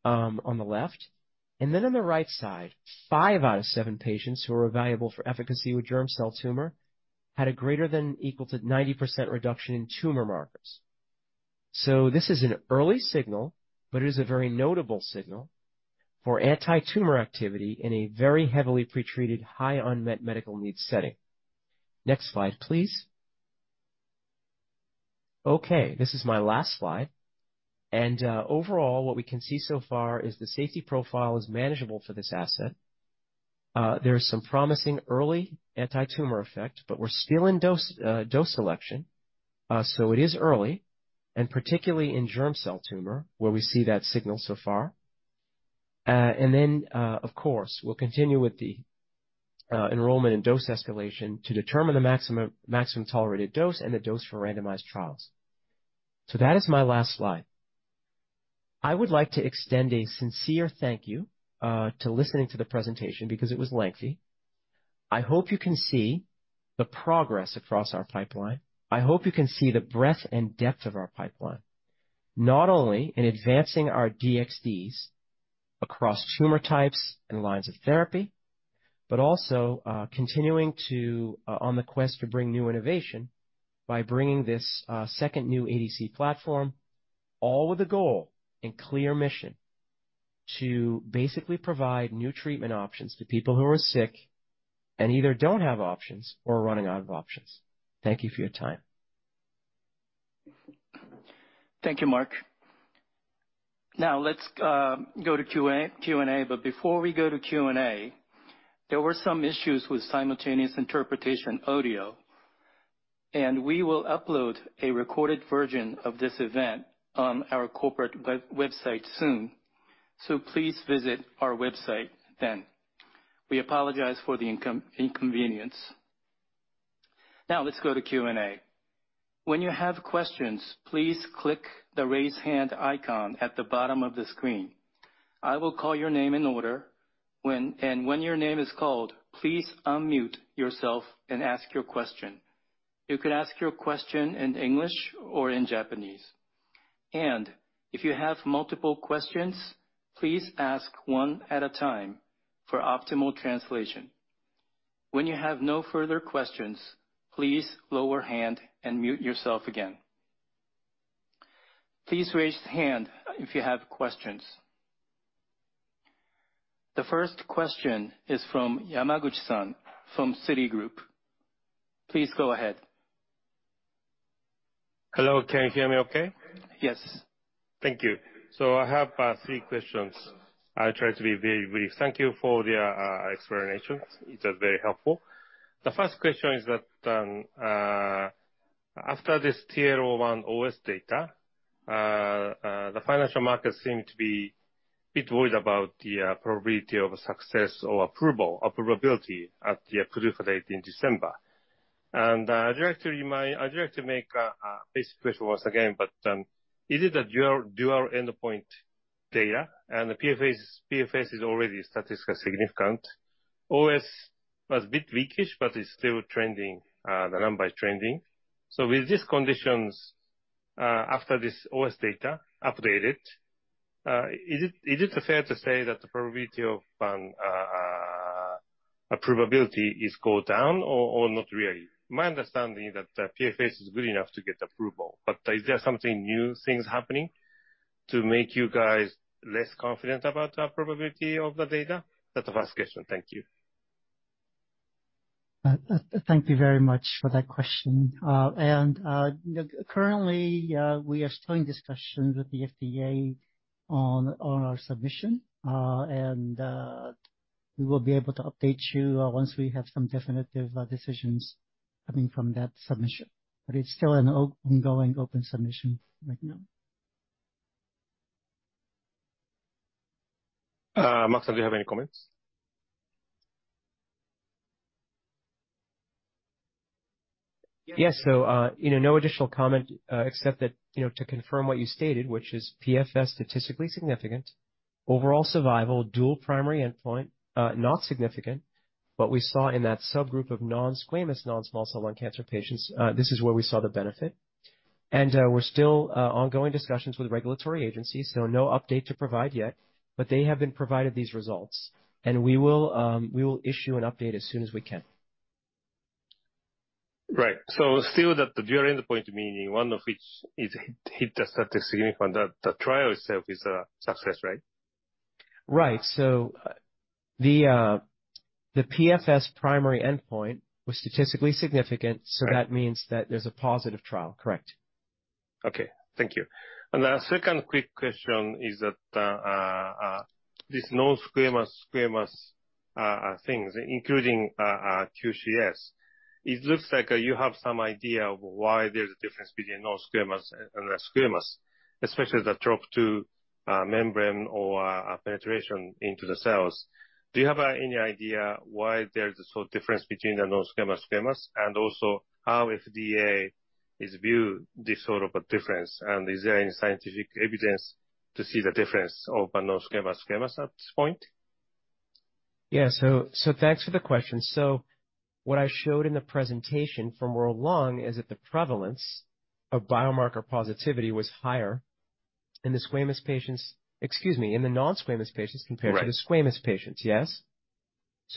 on the left. On the right side, five out of seven patients who were evaluable for efficacy with germ cell tumor had a greater than or equal to 90% reduction in tumor markers. This is an early signal, but it is a very notable signal for anti-tumor activity in a very heavily pretreated, high unmet medical needs setting. Next slide, please. Okay, this is my last slide. Overall, what we can see so far is the safety profile is manageable for this asset. There is some promising early anti-tumor effect, but we're still in dose selection, so it is early, and particularly in germ cell tumor, where we see that signal so far. Of course, we'll continue with the enrollment and dose escalation to determine the maximum tolerated dose and the dose for randomized trials. That is my last slide. I would like to extend a sincere thank you to listening to the presentation because it was lengthy. I hope you can see the progress across our pipeline. I hope you can see the breadth and depth of our pipeline, not only in advancing our DXds across tumor types and lines of therapy, but also continuing on the quest to bring new innovation by bringing this second new ADC platform, all with the goal and clear mission to basically provide new treatment options to people who are sick and either don't have options or are running out of options. Thank you for your time.
Thank you, Mark. Now let's go to Q&A. Before we go to Q&A, there were some issues with simultaneous interpretation audio, we will upload a recorded version of this event on our corporate website soon. Please visit our website then. We apologize for the inconvenience. Now let's go to Q&A. When you have questions, please click the Raise Hand icon at the bottom of the screen. I will call your name in order, when your name is called, please unmute yourself and ask your question. You could ask your question in English or in Japanese. If you have multiple questions, please ask one at a time for optimal translation. When you have no further questions, please lower hand and mute yourself again. Please raise hand if you have questions. The first question is from Hidemaru-san from Citigroup. Please go ahead.
Hello, can you hear me okay?
Yes.
Thank you. I have three questions. I try to be very brief. Thank you for the explanations. It is very helpful. The first question is that, after this TR01 OS data, the financial markets seem to be a bit worried about the probability of success or approval, approvability at the PDUFA date in December. I'd like to make a basic question once again, but it is a dual endpoint data, and the PFS is already statistically significant. OS was a bit weakish, but it's still trending, the number is trending. With these conditions, after this OS data updated, is it fair to say that the probability of approvability is go down or not really? My understanding is that the PFS is good enough to get approval, but is there something new, things happening to make you guys less confident about the probability of the data? That's the first question. Thank you.
Thank you very much for that question. Currently, we are still in discussions with the FDA on our submission. We will be able to update you once we have some definitive decisions coming from that submission. It's still an ongoing open submission right now.
Max, do you have any comments?
Yes. No additional comment except to confirm what you stated, which is PFS statistically significant. Overall survival, dual primary endpoint, not significant. What we saw in that subgroup of non-squamous, non-small cell lung cancer patients, this is where we saw the benefit. We're still ongoing discussions with regulatory agencies, so no update to provide yet, but they have been provided these results. We will issue an update as soon as we can.
Right. Still that the dual endpoint, meaning one of which is hit the statistical significance, that the trial itself is a success, right?
Right. The PFS primary endpoint was statistically significant.
Right
that means that there's a positive trial. Correct.
Okay. Thank you. The second quick question is that this non-squamous, squamous things, including QCS, it looks like you have some idea of why there's a difference between non-squamous and the squamous, especially the TROP2 membrane or penetration into the cells. Do you have any idea why there's a difference between the non-squamous, squamous? Also how FDA view this sort of a difference, and is there any scientific evidence to see the difference of a non-squamous, squamous at this point?
Thanks for the question. What I showed in the presentation from World Conference on Lung Cancer is that the prevalence of biomarker positivity was higher in the squamous patients-- excuse me, in the non-squamous patients compared-
Right
to the squamous patients. Yes.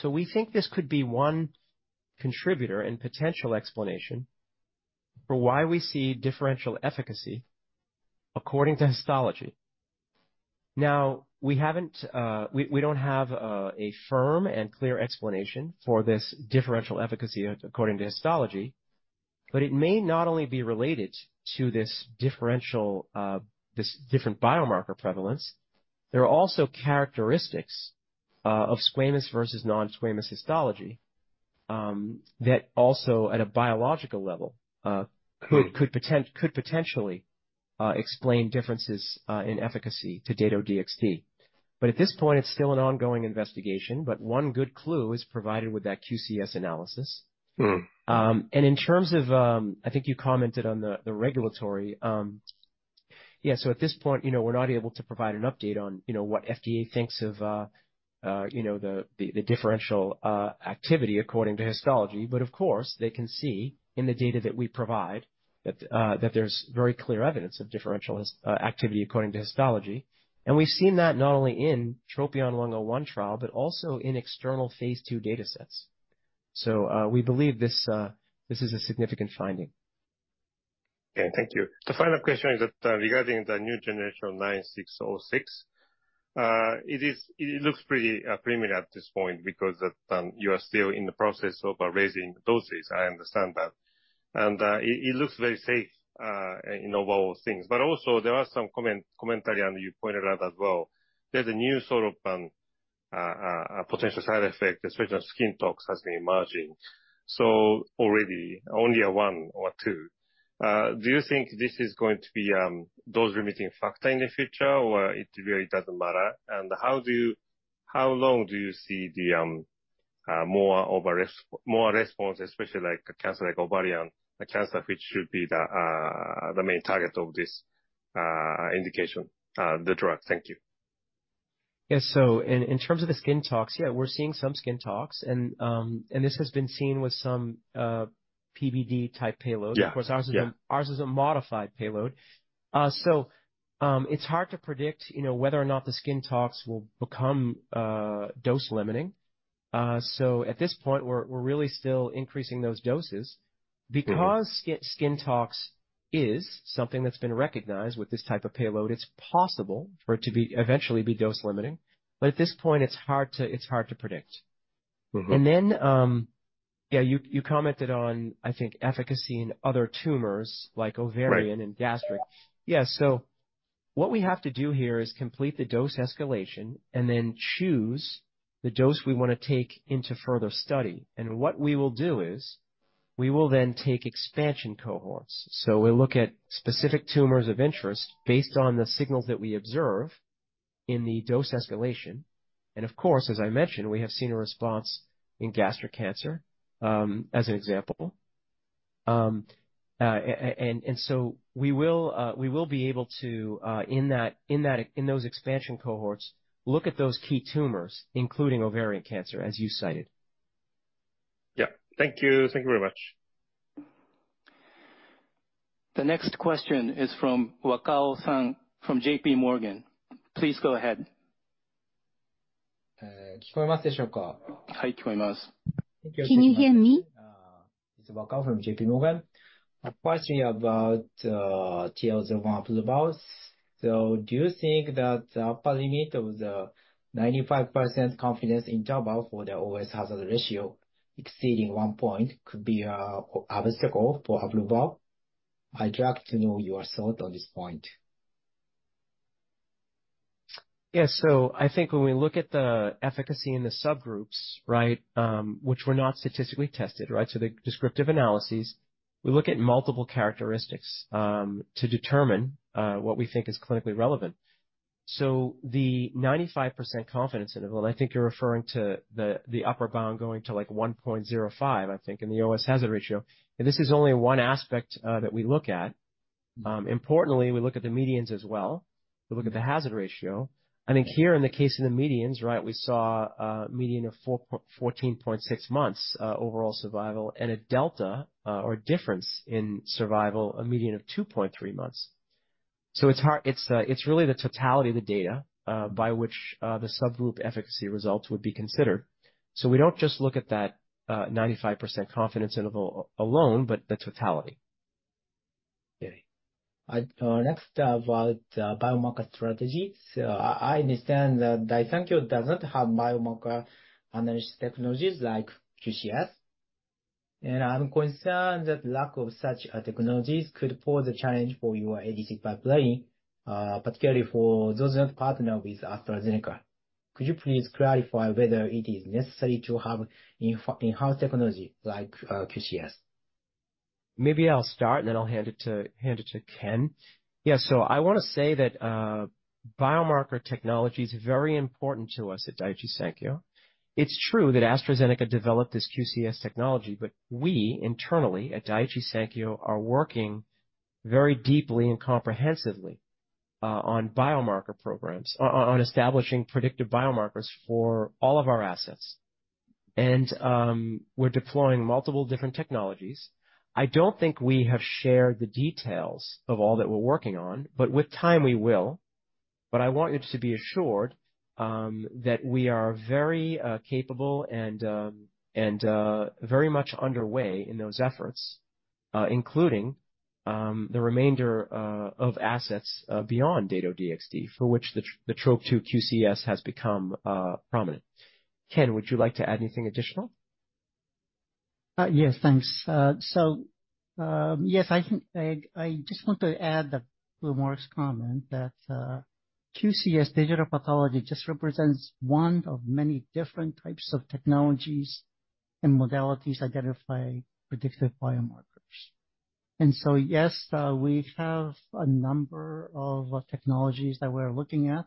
We think this could be one contributor and potential explanation for why we see differential efficacy according to histology. We don't have a firm and clear explanation for this differential efficacy according to histology, but it may not only be related to this different biomarker prevalence. There are also characteristics of squamous versus non-squamous histology that also, at a biological level- could potentially explain differences in efficacy to Dato-DXd. At this point, it's still an ongoing investigation, but one good clue is provided with that QCS analysis. In terms of, I think you commented on the regulatory. Yeah. At this point, we're not able to provide an update on what FDA thinks of the differential activity according to histology. Of course, they can see in the data that we provide that there's very clear evidence of differential activity according to histology. We've seen that not only in TROPION-101 trial, but also in external phase II data sets. We believe this is a significant finding.
Okay. Thank you. The follow-up question is that regarding the new generation 9606, it looks pretty premium at this point because you are still in the process of raising doses. I understand that. It looks very safe in overall things. Also there are some commentary, and you pointed out as well, there's a new sort of potential side effect, especially on skin tox, has been emerging. Already only one or two. Do you think this is going to be dose limiting factor in the future, or it really doesn't matter? How long do you see the more response, especially like a cancer, like ovarian cancer, which should be the main target of this indication, the drug. Thank you.
Yeah. In terms of the skin tox, we're seeing some skin tox, and this has been seen with some PBD type payload.
Yeah.
Of course, ours is a modified payload. It's hard to predict whether or not the skin tox will become dose limiting. At this point, we're really still increasing those doses because skin tox is something that's been recognized with this type of payload. It's possible for it to eventually be dose limiting. At this point, it's hard to predict. Then, you commented on, I think, efficacy in other tumors, like ovarian-
Right
and gastric. Yeah. What we have to do here is complete the dose escalation and then choose the dose we want to take into further study. What we will do is we will then take expansion cohorts. We'll look at specific tumors of interest based on the signals that we observe in the dose escalation. Of course, as I mentioned, we have seen a response in gastric cancer, as an example. So we will be able to, in those expansion cohorts, look at those key tumors, including ovarian cancer, as you cited.
Yeah. Thank you. Thank you very much.
The next question is from Seiji-san from JP Morgan. Please go ahead. Hi,
Can you hear me? It's Seiji from JP Morgan. A question about TROPION-Lung01 upper bounds. Do you think that the upper limit of the 95% confidence interval for the OS hazard ratio exceeding 1.0 could be an obstacle for approval? I'd like to know your thought on this point.
Yeah. I think when we look at the efficacy in the subgroups, which were not statistically tested, so the descriptive analyses, we look at multiple characteristics to determine what we think is clinically relevant. The 95% confidence interval, and I think you're referring to the upper bound going to 1.05, I think in the OS hazard ratio, and this is only one aspect that we look at. Importantly, we look at the medians as well. We look at the hazard ratio. I think here in the case of the medians, we saw a median of 14.6 months overall survival and a delta or difference in survival, a median of 2.3 months. It's really the totality of the data by which the subgroup efficacy results would be considered. We don't just look at that 95% confidence interval alone, but the totality.
Next, about biomarker strategy. I understand that Daiichi Sankyo does not have biomarker analysis technologies like QCS, and I'm concerned that lack of such technologies could pose a challenge for your ADC pipeline, particularly for those who have partnered with AstraZeneca. Could you please clarify whether it is necessary to have in-house technology like QCS?
Maybe I'll start and then I'll hand it to Ken. Yeah. I want to say that biomarker technology is very important to us at Daiichi Sankyo. It's true that AstraZeneca developed this QCS technology, we internally at Daiichi Sankyo are working very deeply and comprehensively on biomarker programs, on establishing predictive biomarkers for all of our assets. We're deploying multiple different technologies. I don't think we have shared the details of all that we're working on, with time, we will. I want you to be assured that we are very capable and very much underway in those efforts, including the remainder of assets beyond Dato-DXd, for which the TROP2 QCS has become prominent. Ken, would you like to add anything additional?
Yes. Thanks. Yes, I just want to add to Mark's comment that QCS digital pathology just represents one of many different types of technologies and modalities to identify predictive biomarkers. Yes, we have a number of technologies that we're looking at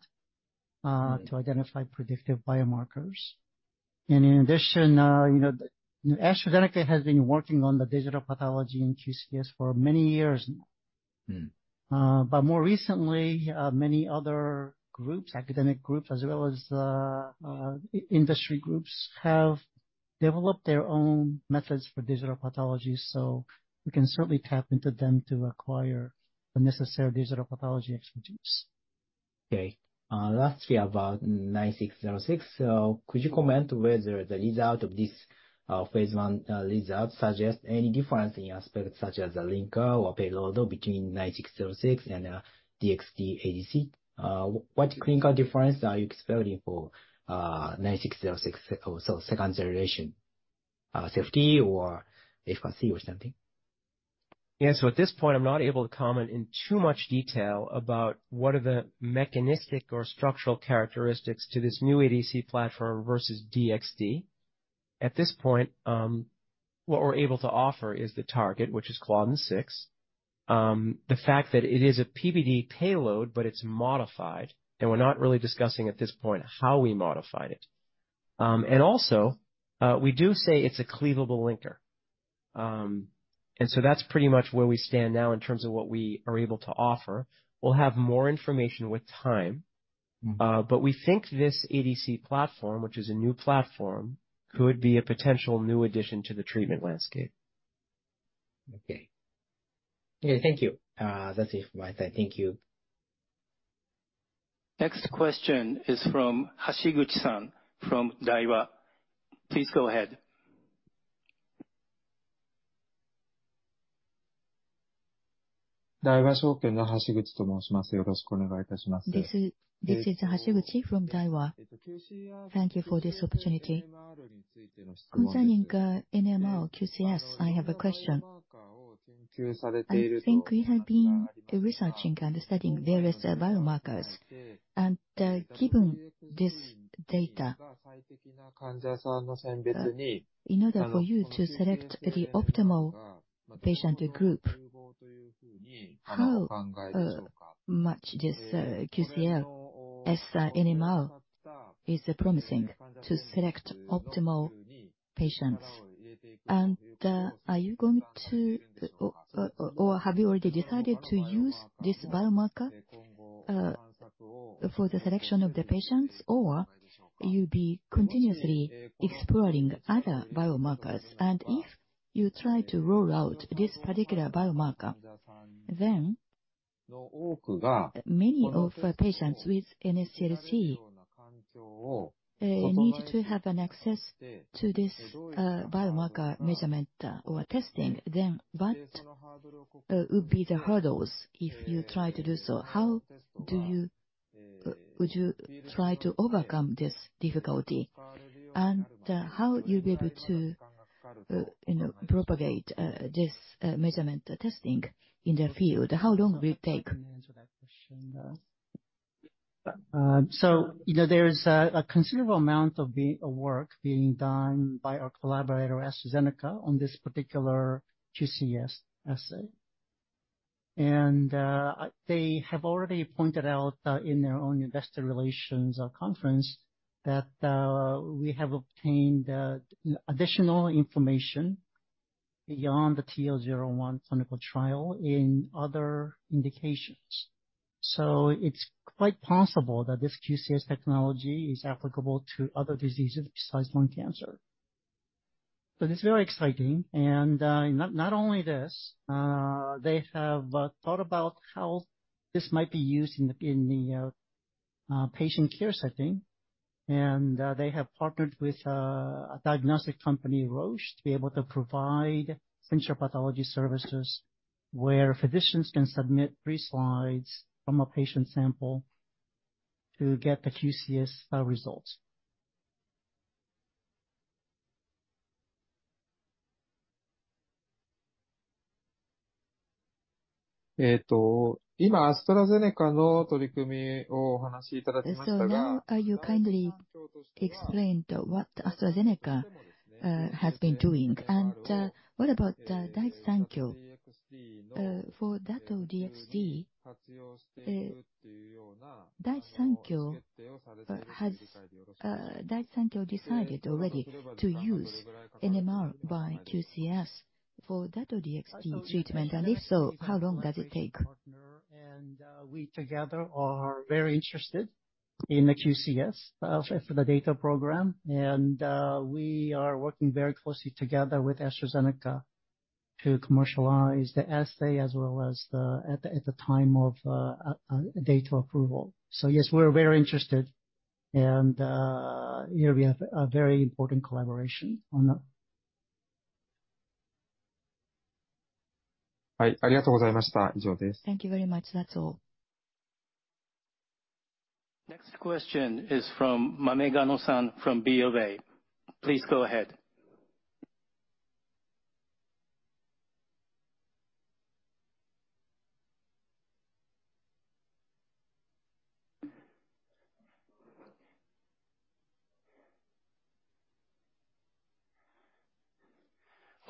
to identify predictive biomarkers. In addition AstraZeneca has been working on the digital pathology in QCS for many years now. More recently many other academic groups as well as industry groups have developed their own methods for digital pathology, so we can certainly tap into them to acquire the necessary digital pathology expertise.
Okay. Lastly, about DS-9606. Could you comment whether the result of this phase I result suggests any difference in aspects such as the linker or payload between DS-9606 and a DXd ADC? What clinical difference are you expecting for DS-9606 or second generation safety or efficacy or something?
Yeah. At this point, I'm not able to comment in too much detail about what are the mechanistic or structural characteristics to this new ADC platform versus DXd. At this point, what we're able to offer is the target, which is claudin 6. The fact that it is a PBD payload, but it's modified, and we're not really discussing at this point how we modified it. Also, we do say it's a cleavable linker. That's pretty much where we stand now in terms of what we are able to offer. We'll have more information with time. We think this ADC platform, which is a new platform, could be a potential new addition to the treatment landscape.
Okay. Thank you. That's it from my side. Thank you.
Next question is from Kazuaki-san from Daiwa. Please go ahead.
This is Kazuaki from Daiwa. Thank you for this opportunity. Concerning NMR QCS, I have a question. I think we have been researching and studying various biomarkers. Given this data, in order for you to select the optimal patient group, how much this QCS as NMR is promising to select optimal patients? Have you already decided to use this biomarker for the selection of the patients, or you'll be continuously exploring other biomarkers. If you try to roll out this particular biomarker, many of patients with NSCLC need to have an access to this biomarker measurement or testing. What would be the hurdles if you try to do so? How would you try to overcome this difficulty? How you'll be able to propagate this measurement testing in the field? How long will it take?
I can answer that question. There is a considerable amount of work being done by our collaborator, AstraZeneca, on this particular QCS assay. They have already pointed out in their own investor relations conference that we have obtained additional information beyond the TL01 clinical trial in other indications. It's quite possible that this QCS technology is applicable to other diseases besides lung cancer. This is very exciting. Not only this, they have thought about how this might be used in the patient care setting. They have partnered with a diagnostic company, Roche, to be able to provide central pathology services where physicians can submit three slides from a patient sample to get the QCS results.
Now you kindly explained what AstraZeneca has been doing. What about Daiichi Sankyo? For DATO-DXd, has Daiichi Sankyo decided already to use NMR by QCS for DATO-DXd treatment? If so, how long does it take?
Daiichi Sankyo is a collaboration partner. We together are very interested in the QCS for the DATA program. We are working very closely together with AstraZeneca to commercialize the assay as well as at the time of DATA approval. Yes, we're very interested, and here we have a very important collaboration on that.
Thank you very much. That's all.
Next question is from Koichi from BofA. Please go ahead.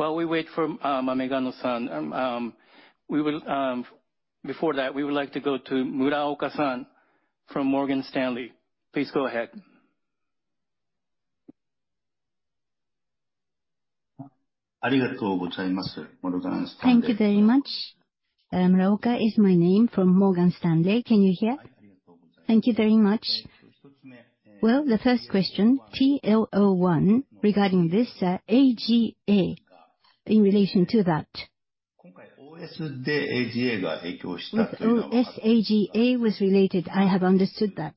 While we wait for Koichi, before that, we would like to go to Muraoka-san from Morgan Stanley. Please go ahead.
Thank you very much. Muraoka is my name, from Morgan Stanley. Can you hear? Thank you very much. The first question, TL01, regarding this EGFR in relation to that. With OS, EGFR was related, I have understood that.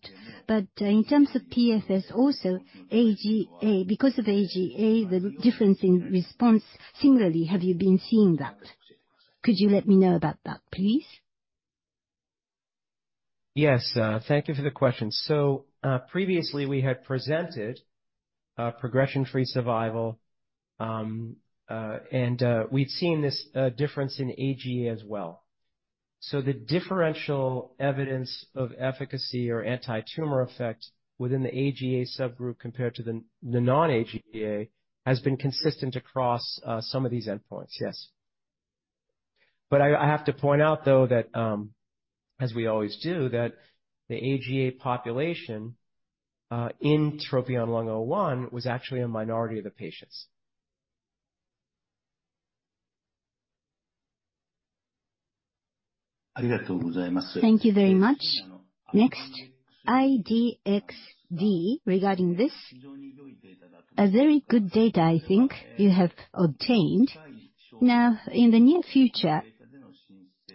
In terms of PFS, also EGFR. Because of EGFR, the difference in response, similarly, have you been seeing that? Could you let me know about that, please?
Yes. Thank you for the question. Previously we had presented progression-free survival, and we'd seen this difference in EGFR as well. The differential evidence of efficacy or anti-tumor effect within the EGFR subgroup compared to the non-EGFR has been consistent across some of these endpoints, yes. I have to point out, though, that, as we always do, that the EGFR population in TROPION-Lung01 was actually a minority of the patients.
Thank you very much. Next, I-DXd, regarding this. A very good data, I think, you have obtained. In the near future,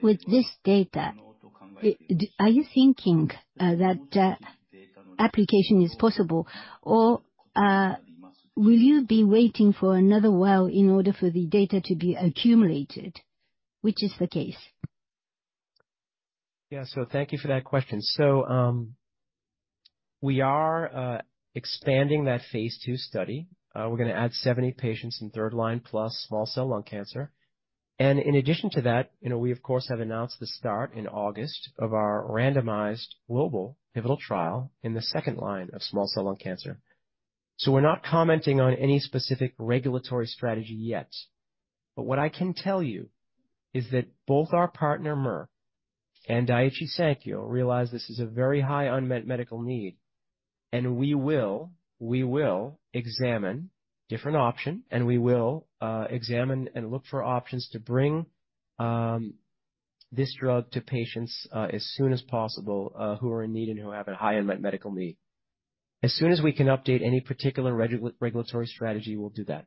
with this data, are you thinking that application is possible, or will you be waiting for another while in order for the data to be accumulated? Which is the case?
Thank you for that question. We are expanding that phase II study. We're going to add 70 patients in third-line plus small cell lung cancer. In addition to that, we, of course, have announced the start in August of our randomized global pivotal trial in the second-line of small cell lung cancer. We're not commenting on any specific regulatory strategy yet. What I can tell you is that both our partner, Merck, and Daiichi Sankyo realize this is a very high unmet medical need. We will examine different options and we will examine and look for options to bring this drug to patients as soon as possible who are in need and who have a high unmet medical need. As soon as we can update any particular regulatory strategy, we'll do that.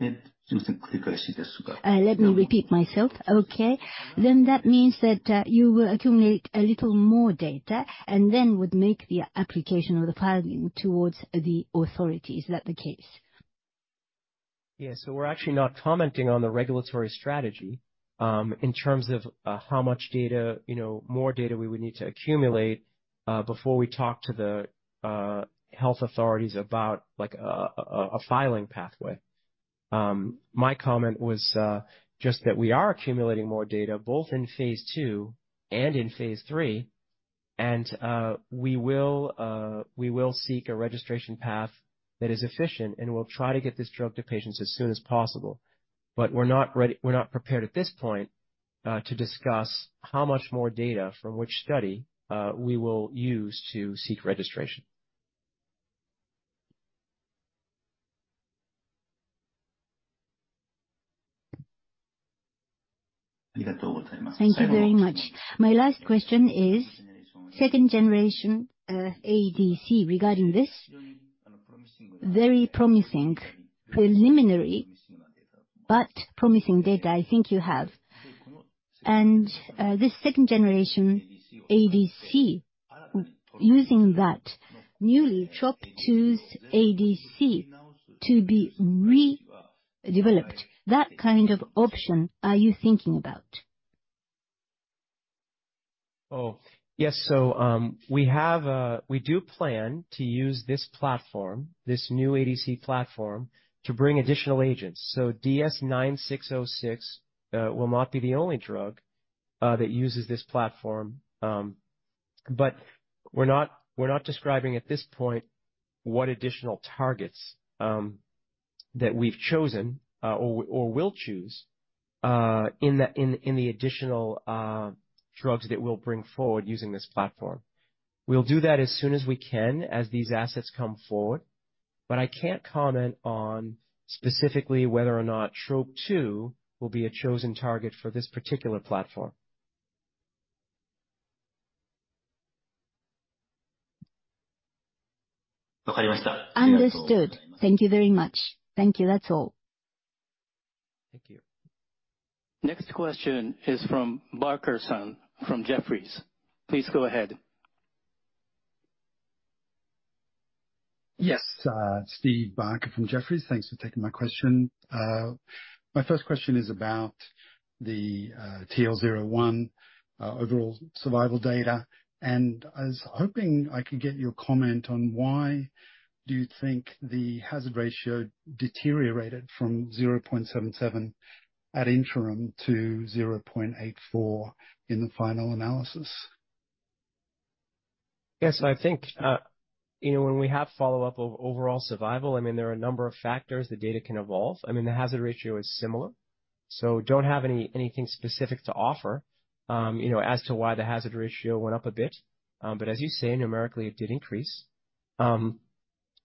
Let me repeat myself. That means that you will accumulate a little more data and then would make the application or the filing towards the authority. Is that the case?
Yeah. We're actually not commenting on the regulatory strategy, in terms of how much more data we would need to accumulate, before we talk to the health authorities about a filing pathway. My comment was just that we are accumulating more data both in phase II and in phase III, and we will seek a registration path that is efficient, and we'll try to get this drug to patients as soon as possible. We're not prepared at this point to discuss how much more data from which study, we will use to seek registration.
Thank you very much. My last question is second generation ADC regarding this very promising, preliminary but promising data I think you have. This second generation ADC, using that newly TROP2 ADC to be redeveloped. That kind of option are you thinking about?
Oh, yes. We do plan to use this platform, this new ADC platform to bring additional agents. DS-9606 will not be the only drug that uses this platform. We're not describing at this point what additional targets that we've chosen or will choose in the additional drugs that we'll bring forward using this platform. We'll do that as soon as we can, as these assets come forward, but I can't comment on specifically whether or not TROP2 will be a chosen target for this particular platform.
Understood. Thank you very much. Thank you. That's all.
Thank you.
Next question is from Barker-san from Jefferies. Please go ahead.
Yes. Stephen Barker from Jefferies. Thanks for taking my question. My first question is about the TL01 overall survival data. I was hoping I could get your comment on why do you think the hazard ratio deteriorated from 0.77 at interim to 0.84 in the final analysis?
Yes, I think when we have follow-up of overall survival, there are a number of factors the data can evolve. The hazard ratio is similar, so don't have anything specific to offer as to why the hazard ratio went up a bit. As you say, numerically it did increase.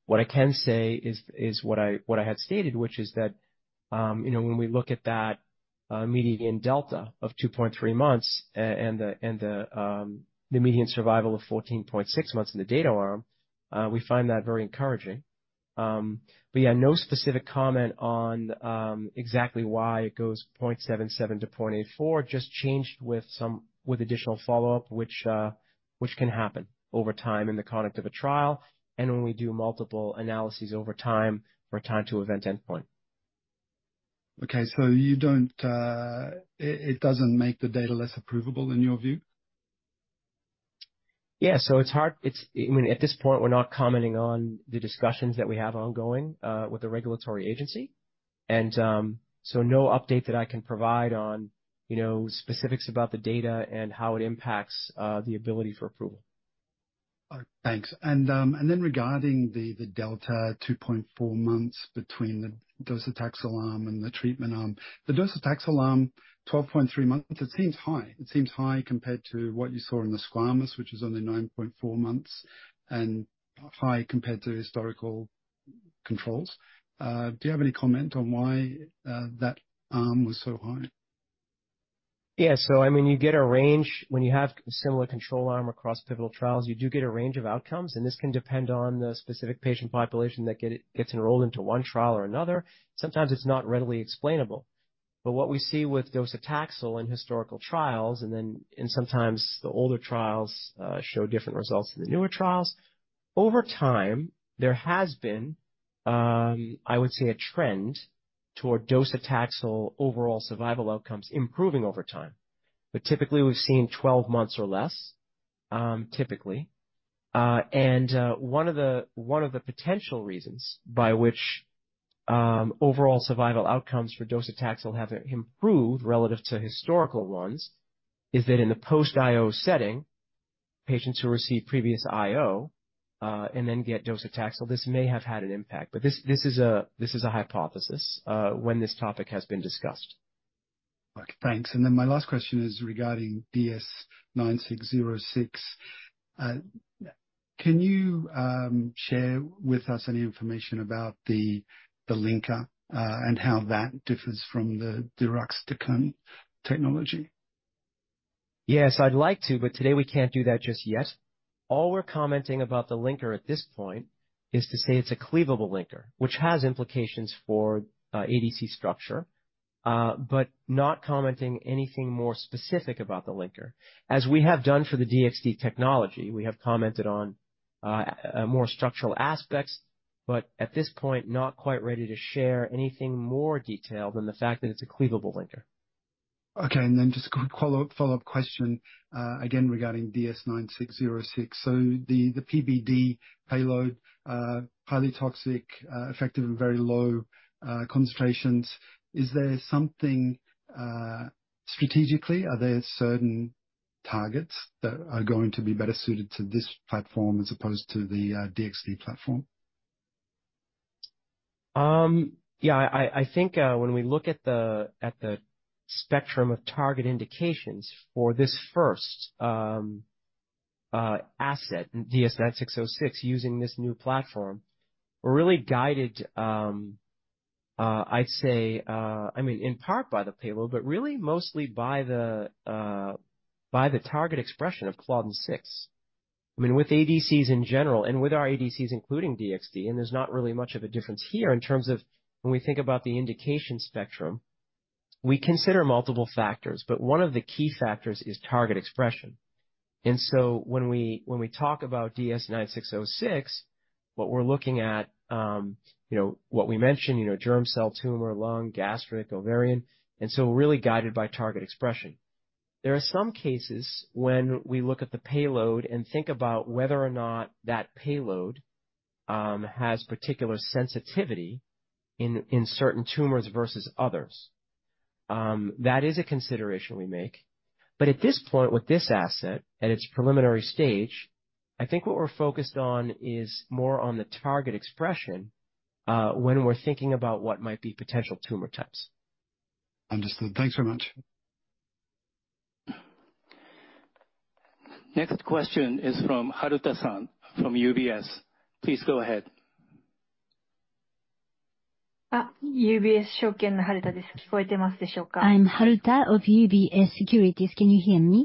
What I can say is what I had stated, which is that when we look at that median delta of 2.3 months and the median survival of 14.6 months in the data arm, we find that very encouraging. Yeah, no specific comment on exactly why it goes 0.77 to 0.84. Just changed with additional follow-up which can happen over time in the conduct of a trial and when we do multiple analyses over time for a time to event endpoint.
Okay. It doesn't make the data less approvable in your view?
Yeah. At this point, we're not commenting on the discussions that we have ongoing with the regulatory agency. No update that I can provide on specifics about the data and how it impacts the ability for approval.
Thanks. Regarding the delta 2.4 months between the docetaxel arm and the treatment arm. The docetaxel arm 12.3 months, it seems high compared to what you saw in the squamous, which was only 9.4 months and high compared to historical controls. Do you have any comment on why that arm was so high?
Yeah. You get a range when you have similar control arm across pivotal trials. You do get a range of outcomes, and this can depend on the specific patient population that gets enrolled into one trial or another. Sometimes it's not readily explainable. What we see with docetaxel in historical trials and sometimes the older trials show different results than the newer trials. Over time, there has been, I would say, a trend toward docetaxel overall survival outcomes improving over time. Typically, we've seen 12 months or less. One of the potential reasons by which overall survival outcomes for docetaxel have improved relative to historical ones is that in the post-IO setting Patients who receive previous IO and then get docetaxel, this may have had an impact, but this is a hypothesis when this topic has been discussed.
Okay, thanks. My last question is regarding DS-9606. Can you share with us any information about the linker and how that differs from the deruxtecan technology?
Yes, I'd like to. Today we can't do that just yet. All we're commenting about the linker at this point is to say it's a cleavable linker, which has implications for ADC structure, but not commenting anything more specific about the linker. As we have done for the DXd technology, we have commented on more structural aspects. At this point, not quite ready to share anything more detailed than the fact that it's a cleavable linker.
Okay, just a follow-up question, again, regarding DS-9606. The PBD payload, highly toxic, effective in very low concentrations. Are there certain targets that are going to be better suited to this platform as opposed to the DXd platform?
Yeah. I think when we look at the spectrum of target indications for this first asset, DS-9606, using this new platform, we're really guided, I'd say, in part by the payload, but really mostly by the target expression of claudin 6. With ADCs in general and with our ADCs including DXd, and there's not really much of a difference here in terms of when we think about the indication spectrum, we consider multiple factors, but one of the key factors is target expression. When we talk about DS-9606, what we're looking at, what we mentioned, germ cell tumor, lung, gastric, ovarian, and so we're really guided by target expression. There are some cases when we look at the payload and think about whether or not that payload has particular sensitivity in certain tumors versus others. That is a consideration we make. At this point, with this asset at its preliminary stage, I think what we're focused on is more on the target expression, when we're thinking about what might be potential tumor types.
Understood. Thanks very much.
Next question is from Kasumi-san, from UBS. Please go ahead.
I'm Kasumi of UBS Securities. Can you hear me?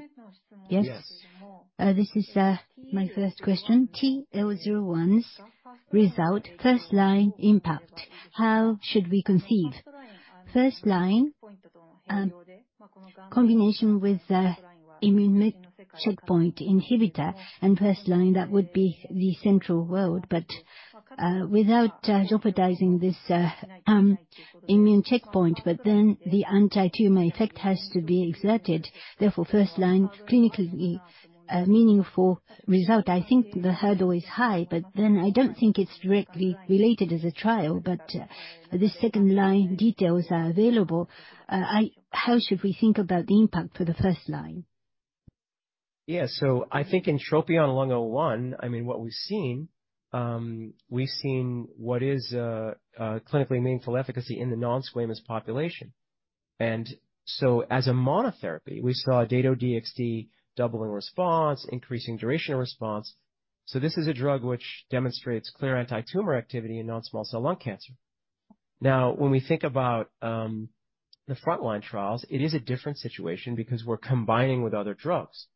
Yes.
This is my first question. TL01's result, first-line impact. How should we conceive? First-line, combination with immune checkpoint inhibitor, first-line, that would be the central world, without jeopardizing this immune checkpoint, the antitumor effect has to be exerted, therefore, first-line clinically meaningful result. I think the hurdle is high, I don't think it's directly related as a trial. The second-line details are available. How should we think about the impact for the first-line?
Yeah. I think in TROPION-Lung01, what we've seen is clinically meaningful efficacy in the non-squamous population. As a monotherapy, we saw Dato-DXd double in response, increasing duration of response. This is a drug which demonstrates clear antitumor activity in non-small cell lung cancer. When we think about the front-line trials, it is a different situation because we're combining with other drugs.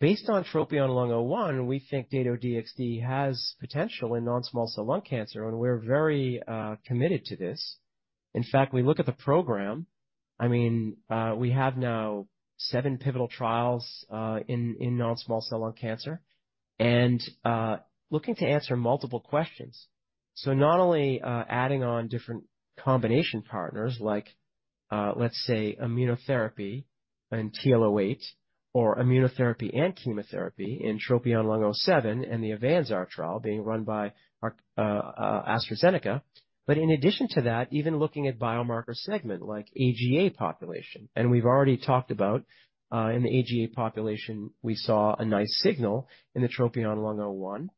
Based on TROPION-Lung01, we think Dato-DXd has potential in non-small cell lung cancer, we're very committed to this. In fact, we look at the program. We have now seven pivotal trials in non-small cell lung cancer and looking to answer multiple questions. Not only adding on different combination partners like, let's say, immunotherapy and TROPION-Lung08, or immunotherapy and chemotherapy in TROPION-Lung07 and the AVANZAR trial being run by AstraZeneca. In addition to that, even looking at biomarker segment like EGFR population, we've already talked about in the EGFR population, we saw a nice signal in the TROPION-Lung01.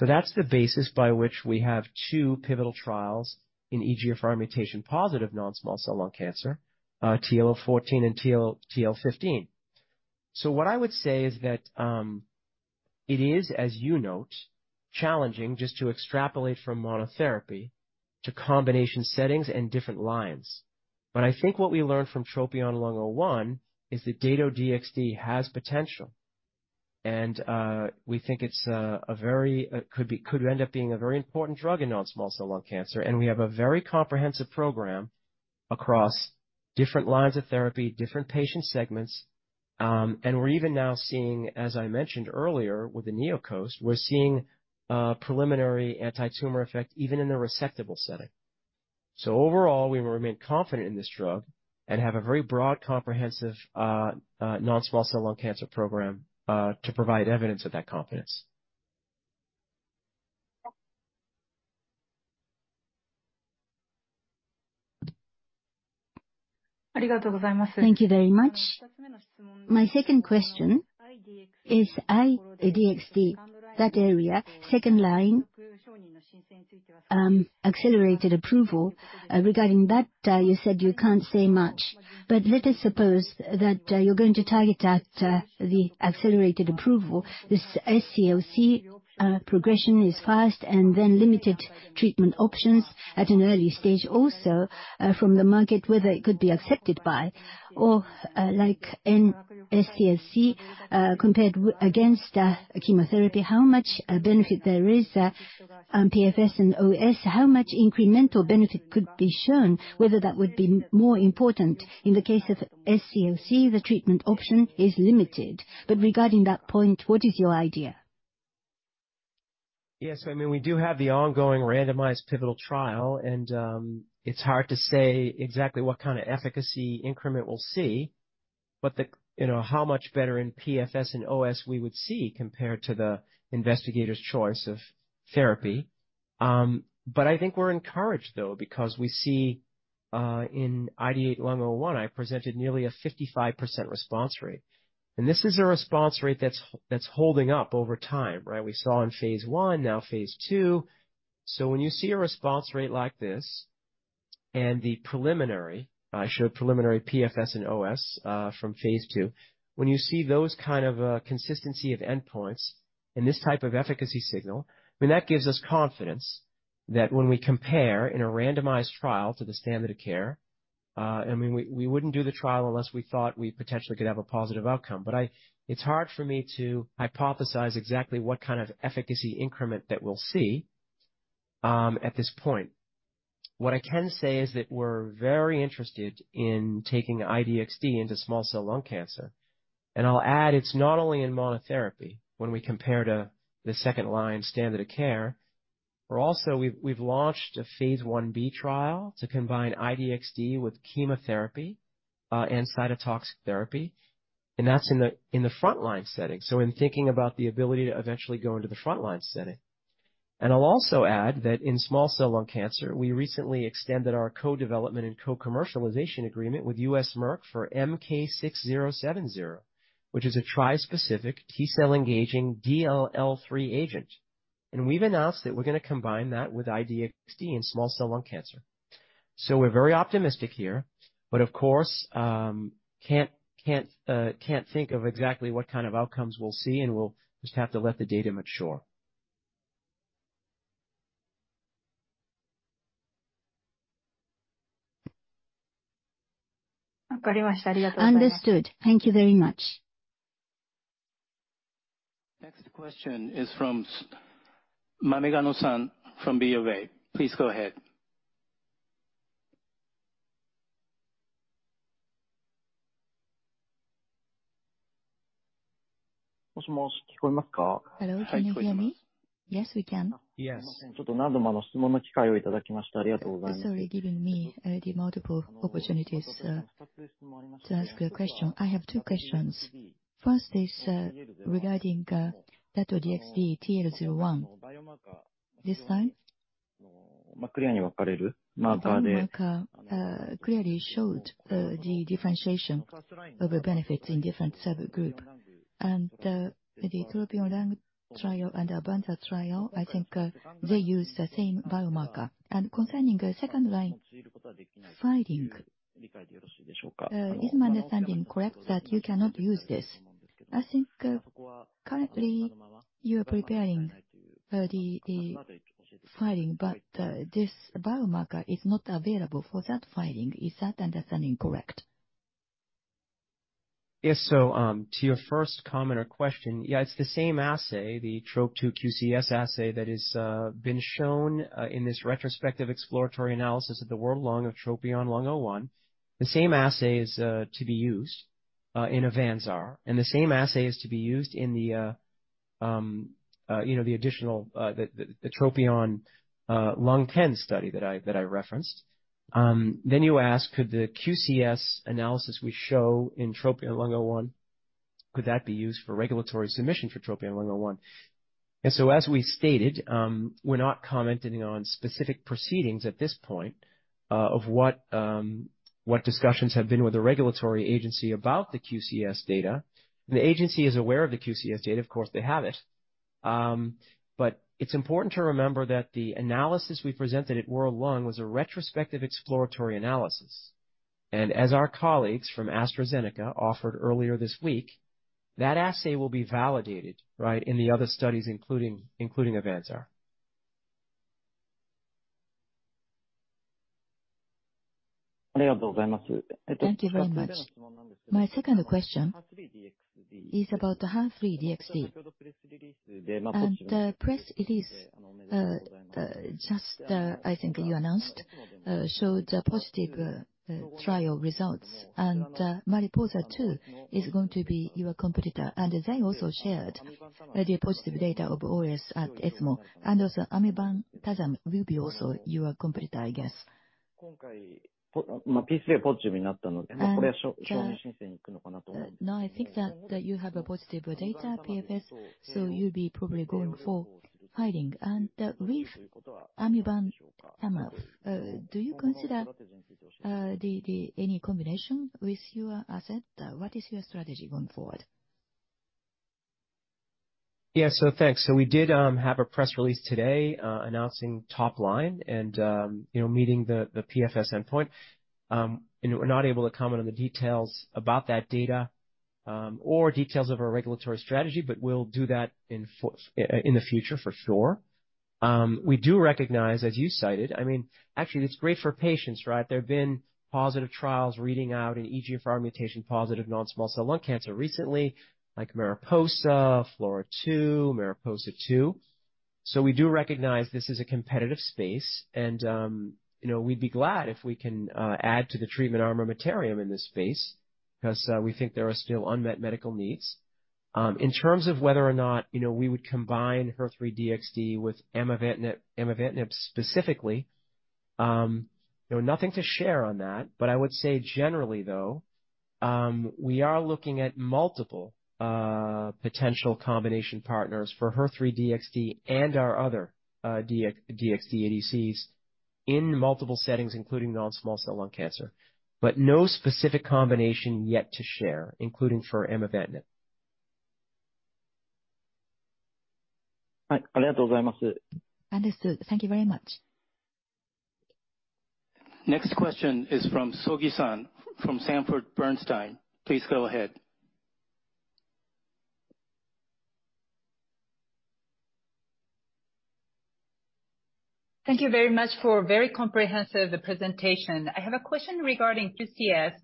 That's the basis by which we have two pivotal trials in EGFR mutation-positive non-small cell lung cancer, TROPION-Lung14 and TROPION-Lung15. What I would say is that it is, as you note, challenging just to extrapolate from monotherapy to combination settings and different lines. I think what we learned from TROPION-Lung01 is that Dato-DXd has potential, we think it could end up being a very important drug in non-small cell lung cancer. We have a very comprehensive program across different lines of therapy, different patient segments, we're even now seeing, as I mentioned earlier with the NeoCOAST, we're seeing preliminary antitumor effect even in the resectable setting. Overall, we remain confident in this drug and have a very broad, comprehensive non-small cell lung cancer program to provide evidence of that confidence.
Thank you very much. My second question is, I-DXd, that area, second-line accelerated approval. Regarding that, you said you can't say much, let us suppose that you're going to target at the accelerated approval. SCLC progression is fast and limited treatment options at an early stage. Also, from the market, whether it could be accepted by, or like in SCLC compared against chemotherapy, how much benefit there is, PFS and OS, how much incremental benefit could be shown, whether that would be more important. In the case of SCLC, the treatment option is limited. Regarding that point, what is your idea?
Yes. I mean, we do have the ongoing randomized pivotal trial, it's hard to say exactly what kind of efficacy increment we'll see, how much better in PFS and OS we would see compared to the investigator's choice of therapy. I think we're encouraged, though, because we see in ID-8101, I presented nearly a 55% response rate. This is a response rate that's holding up over time. We saw in phase I, now phase II. When you see a response rate like this and I showed preliminary PFS and OS from phase II, when you see those kind of consistency of endpoints and this type of efficacy signal, that gives us confidence that when we compare in a randomized trial to the standard of care, we wouldn't do the trial unless we thought we potentially could have a positive outcome. It's hard for me to hypothesize exactly what kind of efficacy increment that we'll see at this point. What I can say is that we're very interested in taking I-DXd into small cell lung cancer, I'll add, it's not only in monotherapy when we compare to the second-line standard of care. Also, we've launched a phase I-B trial to combine I-DXd with chemotherapy and cytotoxic therapy, that's in the frontline setting. In thinking about the ability to eventually go into the frontline setting. I'll also add that in small cell lung cancer, we recently extended our co-development and co-commercialization agreement with U.S. Merck for MK-6070, which is a tri-specific T-cell engaging DLL3 agent. We've announced that we're going to combine that with I-DXd in small cell lung cancer. We're very optimistic here, but of course, can't think of exactly what kind of outcomes we'll see, and we'll just have to let the data mature.
Understood. Thank you very much.
Next question is from Mamigano-san from BofA. Please go ahead.
Hello, can you hear me?
Yes, we can.
Yes.
Sorry, giving me the multiple opportunities to ask the question. I have two questions. First is regarding that I-DXd IDeate-Lung01. This time, the biomarker clearly showed the differentiation of the benefits in different subgroup. The European lung trial and AVANZAR trial, I think they use the same biomarker. Concerning second line filing, is my understanding correct that you cannot use this? I think currently you are preparing for the filing, but this biomarker is not available for that filing. Is that understanding correct?
Yes. To your first comment or question, yeah, it's the same assay, the TROP2 QCS assay, that has been shown in this retrospective exploratory analysis of the World Conference on Lung Cancer of TROPION-Lung01. The same assay is to be used in AVANZAR. The same assay is to be used in the additional TROPION-Lung10 study that I referenced. You ask, could the QCS analysis we show in TROPION-Lung01, could that be used for regulatory submission for TROPION-Lung01? As we stated, we're not commenting on specific proceedings at this point of what discussions have been with the regulatory agency about the QCS data. The agency is aware of the QCS data, of course they have it. It's important to remember that the analysis we presented at World Conference on Lung Cancer was a retrospective exploratory analysis. As our colleagues from AstraZeneca offered earlier this week, that assay will be validated in the other studies, including AVANZAR.
Thank you very much. My second question is about the HER3-DXd and the press release. I think you announced, showed the positive trial results. MARIPOSA-2 is going to be your competitor. They also shared the positive data of OS at ESMO. Also amivantamab will be also your competitor, I guess. Now I think that you have a positive data PFS, so you'll be probably going for filing. With amivantamab, do you consider any combination with your asset? What is your strategy going forward?
Thanks. We did have a press release today announcing top line and meeting the PFS endpoint. We're not able to comment on the details about that data, or details of our regulatory strategy, but we'll do that in the future for sure. We do recognize, as you cited, actually, it's great for patients, right? There have been positive trials reading out in EGFR mutation positive non-small cell lung cancer recently, like MARIPOSA, FLAURA2, MARIPOSA-2. We do recognize this is a competitive space and we'd be glad if we can add to the treatment armamentarium in this space, because we think there are still unmet medical needs. In terms of whether or not we would combine HER3-DXd with amivantamab specifically, nothing to share on that. I would say generally though, we are looking at multiple potential combination partners for HER3-DXd and our other DXd ADCs in multiple settings including non-small cell lung cancer. No specific combination yet to share, including for amivantamab.
Understood. Thank you very much.
Next question is from Miki-san from Sanford C. Bernstein. Please go ahead.
Thank you very much for a very comprehensive presentation. I have a question regarding QCS.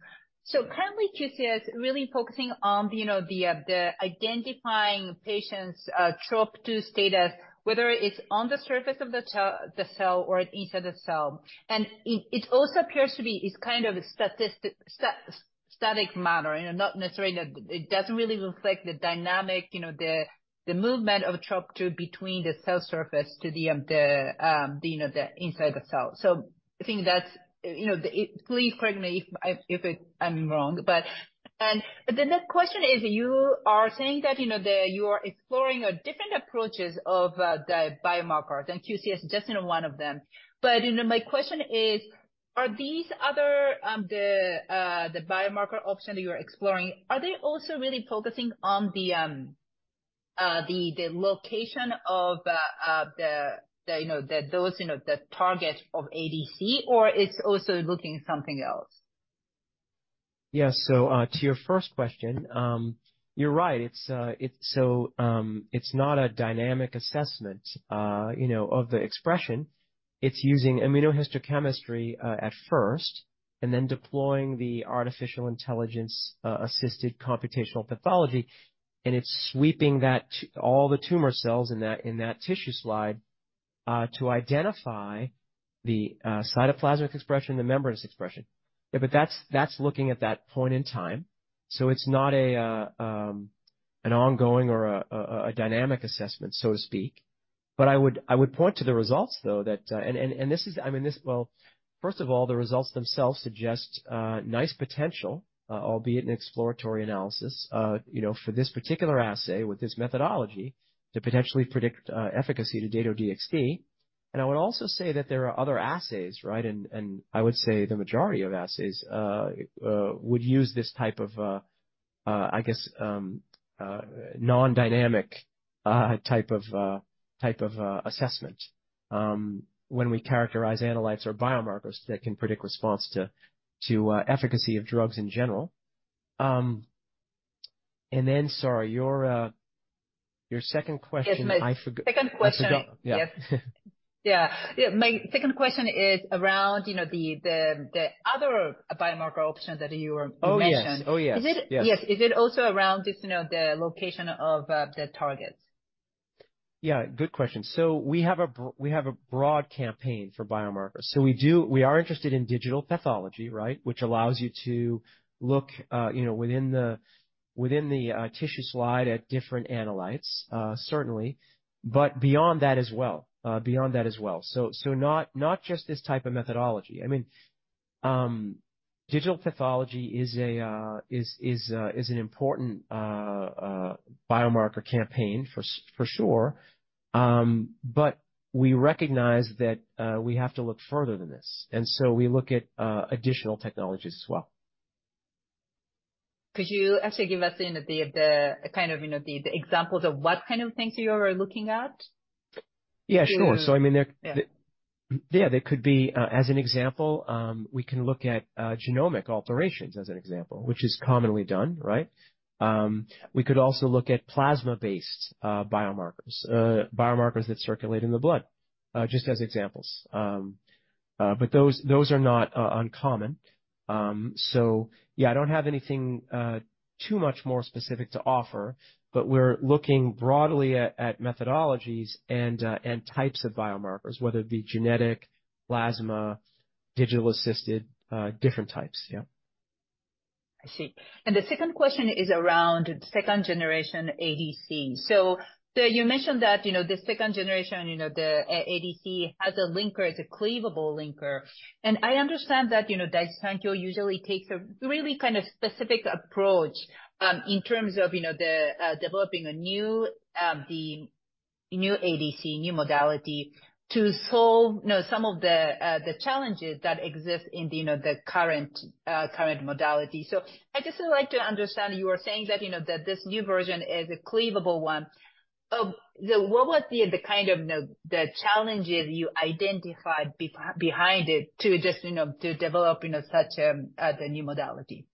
Currently QCS really focusing on identifying patients' TROP2 status, whether it's on the surface of the cell or inside the cell. It also appears to be a kind of a static matter. It doesn't really reflect the dynamic, the movement of TROP2 between the cell surface to the inside the cell. I think that's, please correct me if I'm wrong. The next question is, you are saying that you are exploring different approaches of the biomarkers and QCS is just one of them. My question is, are these other biomarker options that you're exploring, are they also really focusing on the location of the target of ADC, or is it also looking something else?
Yeah. To your first question, you're right. It's not a dynamic assessment of the expression. It's using immunohistochemistry at first, then deploying the artificial intelligence assisted computational pathology. It's sweeping all the tumor cells in that tissue slide to identify the cytoplasmic expression and the membranous expression. That's looking at that point in time, so it's not an ongoing or a dynamic assessment, so to speak. I would point to the results, though. First of all, the results themselves suggest nice potential, albeit an exploratory analysis, for this particular assay with this methodology to potentially predict efficacy to Dato-DXd. I would also say that there are other assays, and I would say the majority of assays would use this type of non-dynamic type of assessment when we characterize analytes or biomarkers that can predict response to efficacy of drugs in general. Sorry, your second question-
Yes. My second question- I forgot. Yeah. Yeah. My second question is around the other biomarker options that you mentioned.
Oh, yes.
Is it also around just the location of the targets?
Yeah, good question. We have a broad campaign for biomarkers. We are interested in digital pathology, which allows you to look within the tissue slide at different analytes, certainly. Beyond that as well. Not just this type of methodology. Digital pathology is an important biomarker campaign for sure. We recognize that we have to look further than this. We look at additional technologies as well.
Could you actually give us the examples of what kind of things you are looking at?
Yeah, sure. There could be, as an example, we can look at genomic alterations as an example, which is commonly done, right? We could also look at plasma-based biomarkers that circulate in the blood, just as examples. Those are not uncommon. I don't have anything too much more specific to offer. We're looking broadly at methodologies and types of biomarkers, whether it be genetic, plasma, digital assisted, different types. Yeah.
I see. The second question is around second generation ADC. You mentioned that the second generation, the ADC, has a linker, it's a cleavable linker. I understand that Daiichi Sankyo usually takes a really kind of specific approach in terms of developing a new ADC, new modality to solve some of the challenges that exist in the current modality. I'd just like to understand, you are saying that this new version is a cleavable one. What was the kind of challenges you identified behind it to just develop such a new modality?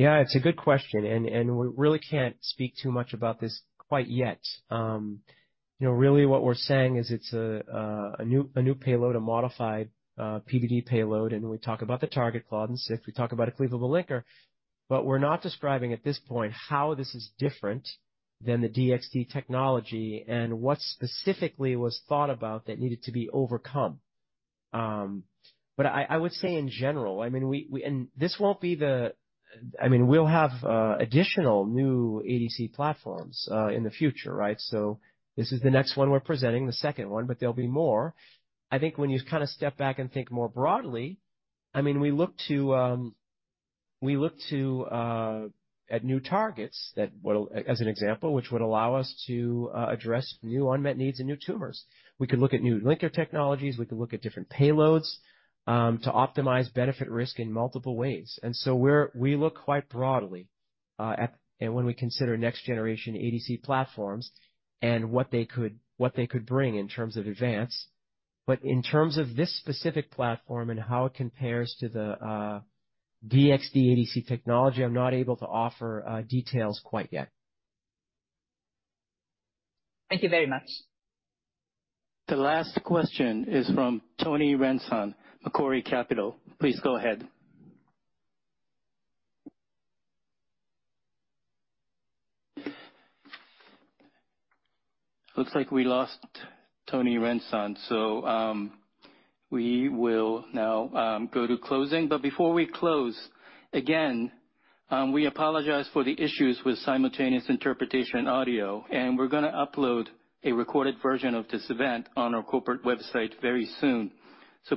Yeah, it's a good question, and we really can't speak too much about this quite yet. Really what we're saying is it's a new payload, a modified PBD payload, and we talk about the target, claudin 6, we talk about a cleavable linker. We're not describing at this point how this is different than the DXd technology and what specifically was thought about that needed to be overcome. I would say in general, we'll have additional new ADC platforms in the future, right? This is the next one we're presenting, the second one, but there'll be more. I think when you step back and think more broadly, we look at new targets, as an example, which would allow us to address new unmet needs and new tumors. We could look at new linker technologies, we could look at different payloads to optimize benefit risk in multiple ways. We look quite broadly when we consider next generation ADC platforms and what they could bring in terms of advance. In terms of this specific platform and how it compares to the DXd ADC technology, I'm not able to offer details quite yet.
Thank you very much.
The last question is from Tony Renson, Macquarie Capital. Please go ahead. Looks like we lost Tony Renson, so we will now go to closing. Before we close, again, we apologize for the issues with simultaneous interpretation audio, and we're going to upload a recorded version of this event on our corporate website very soon.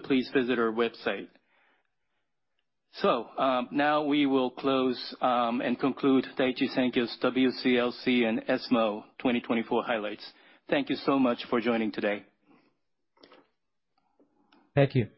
Please visit our website. Now we will close and conclude Daiichi Sankyo's WCLC and ESMO 2024 highlights. Thank you so much for joining today.
Thank you.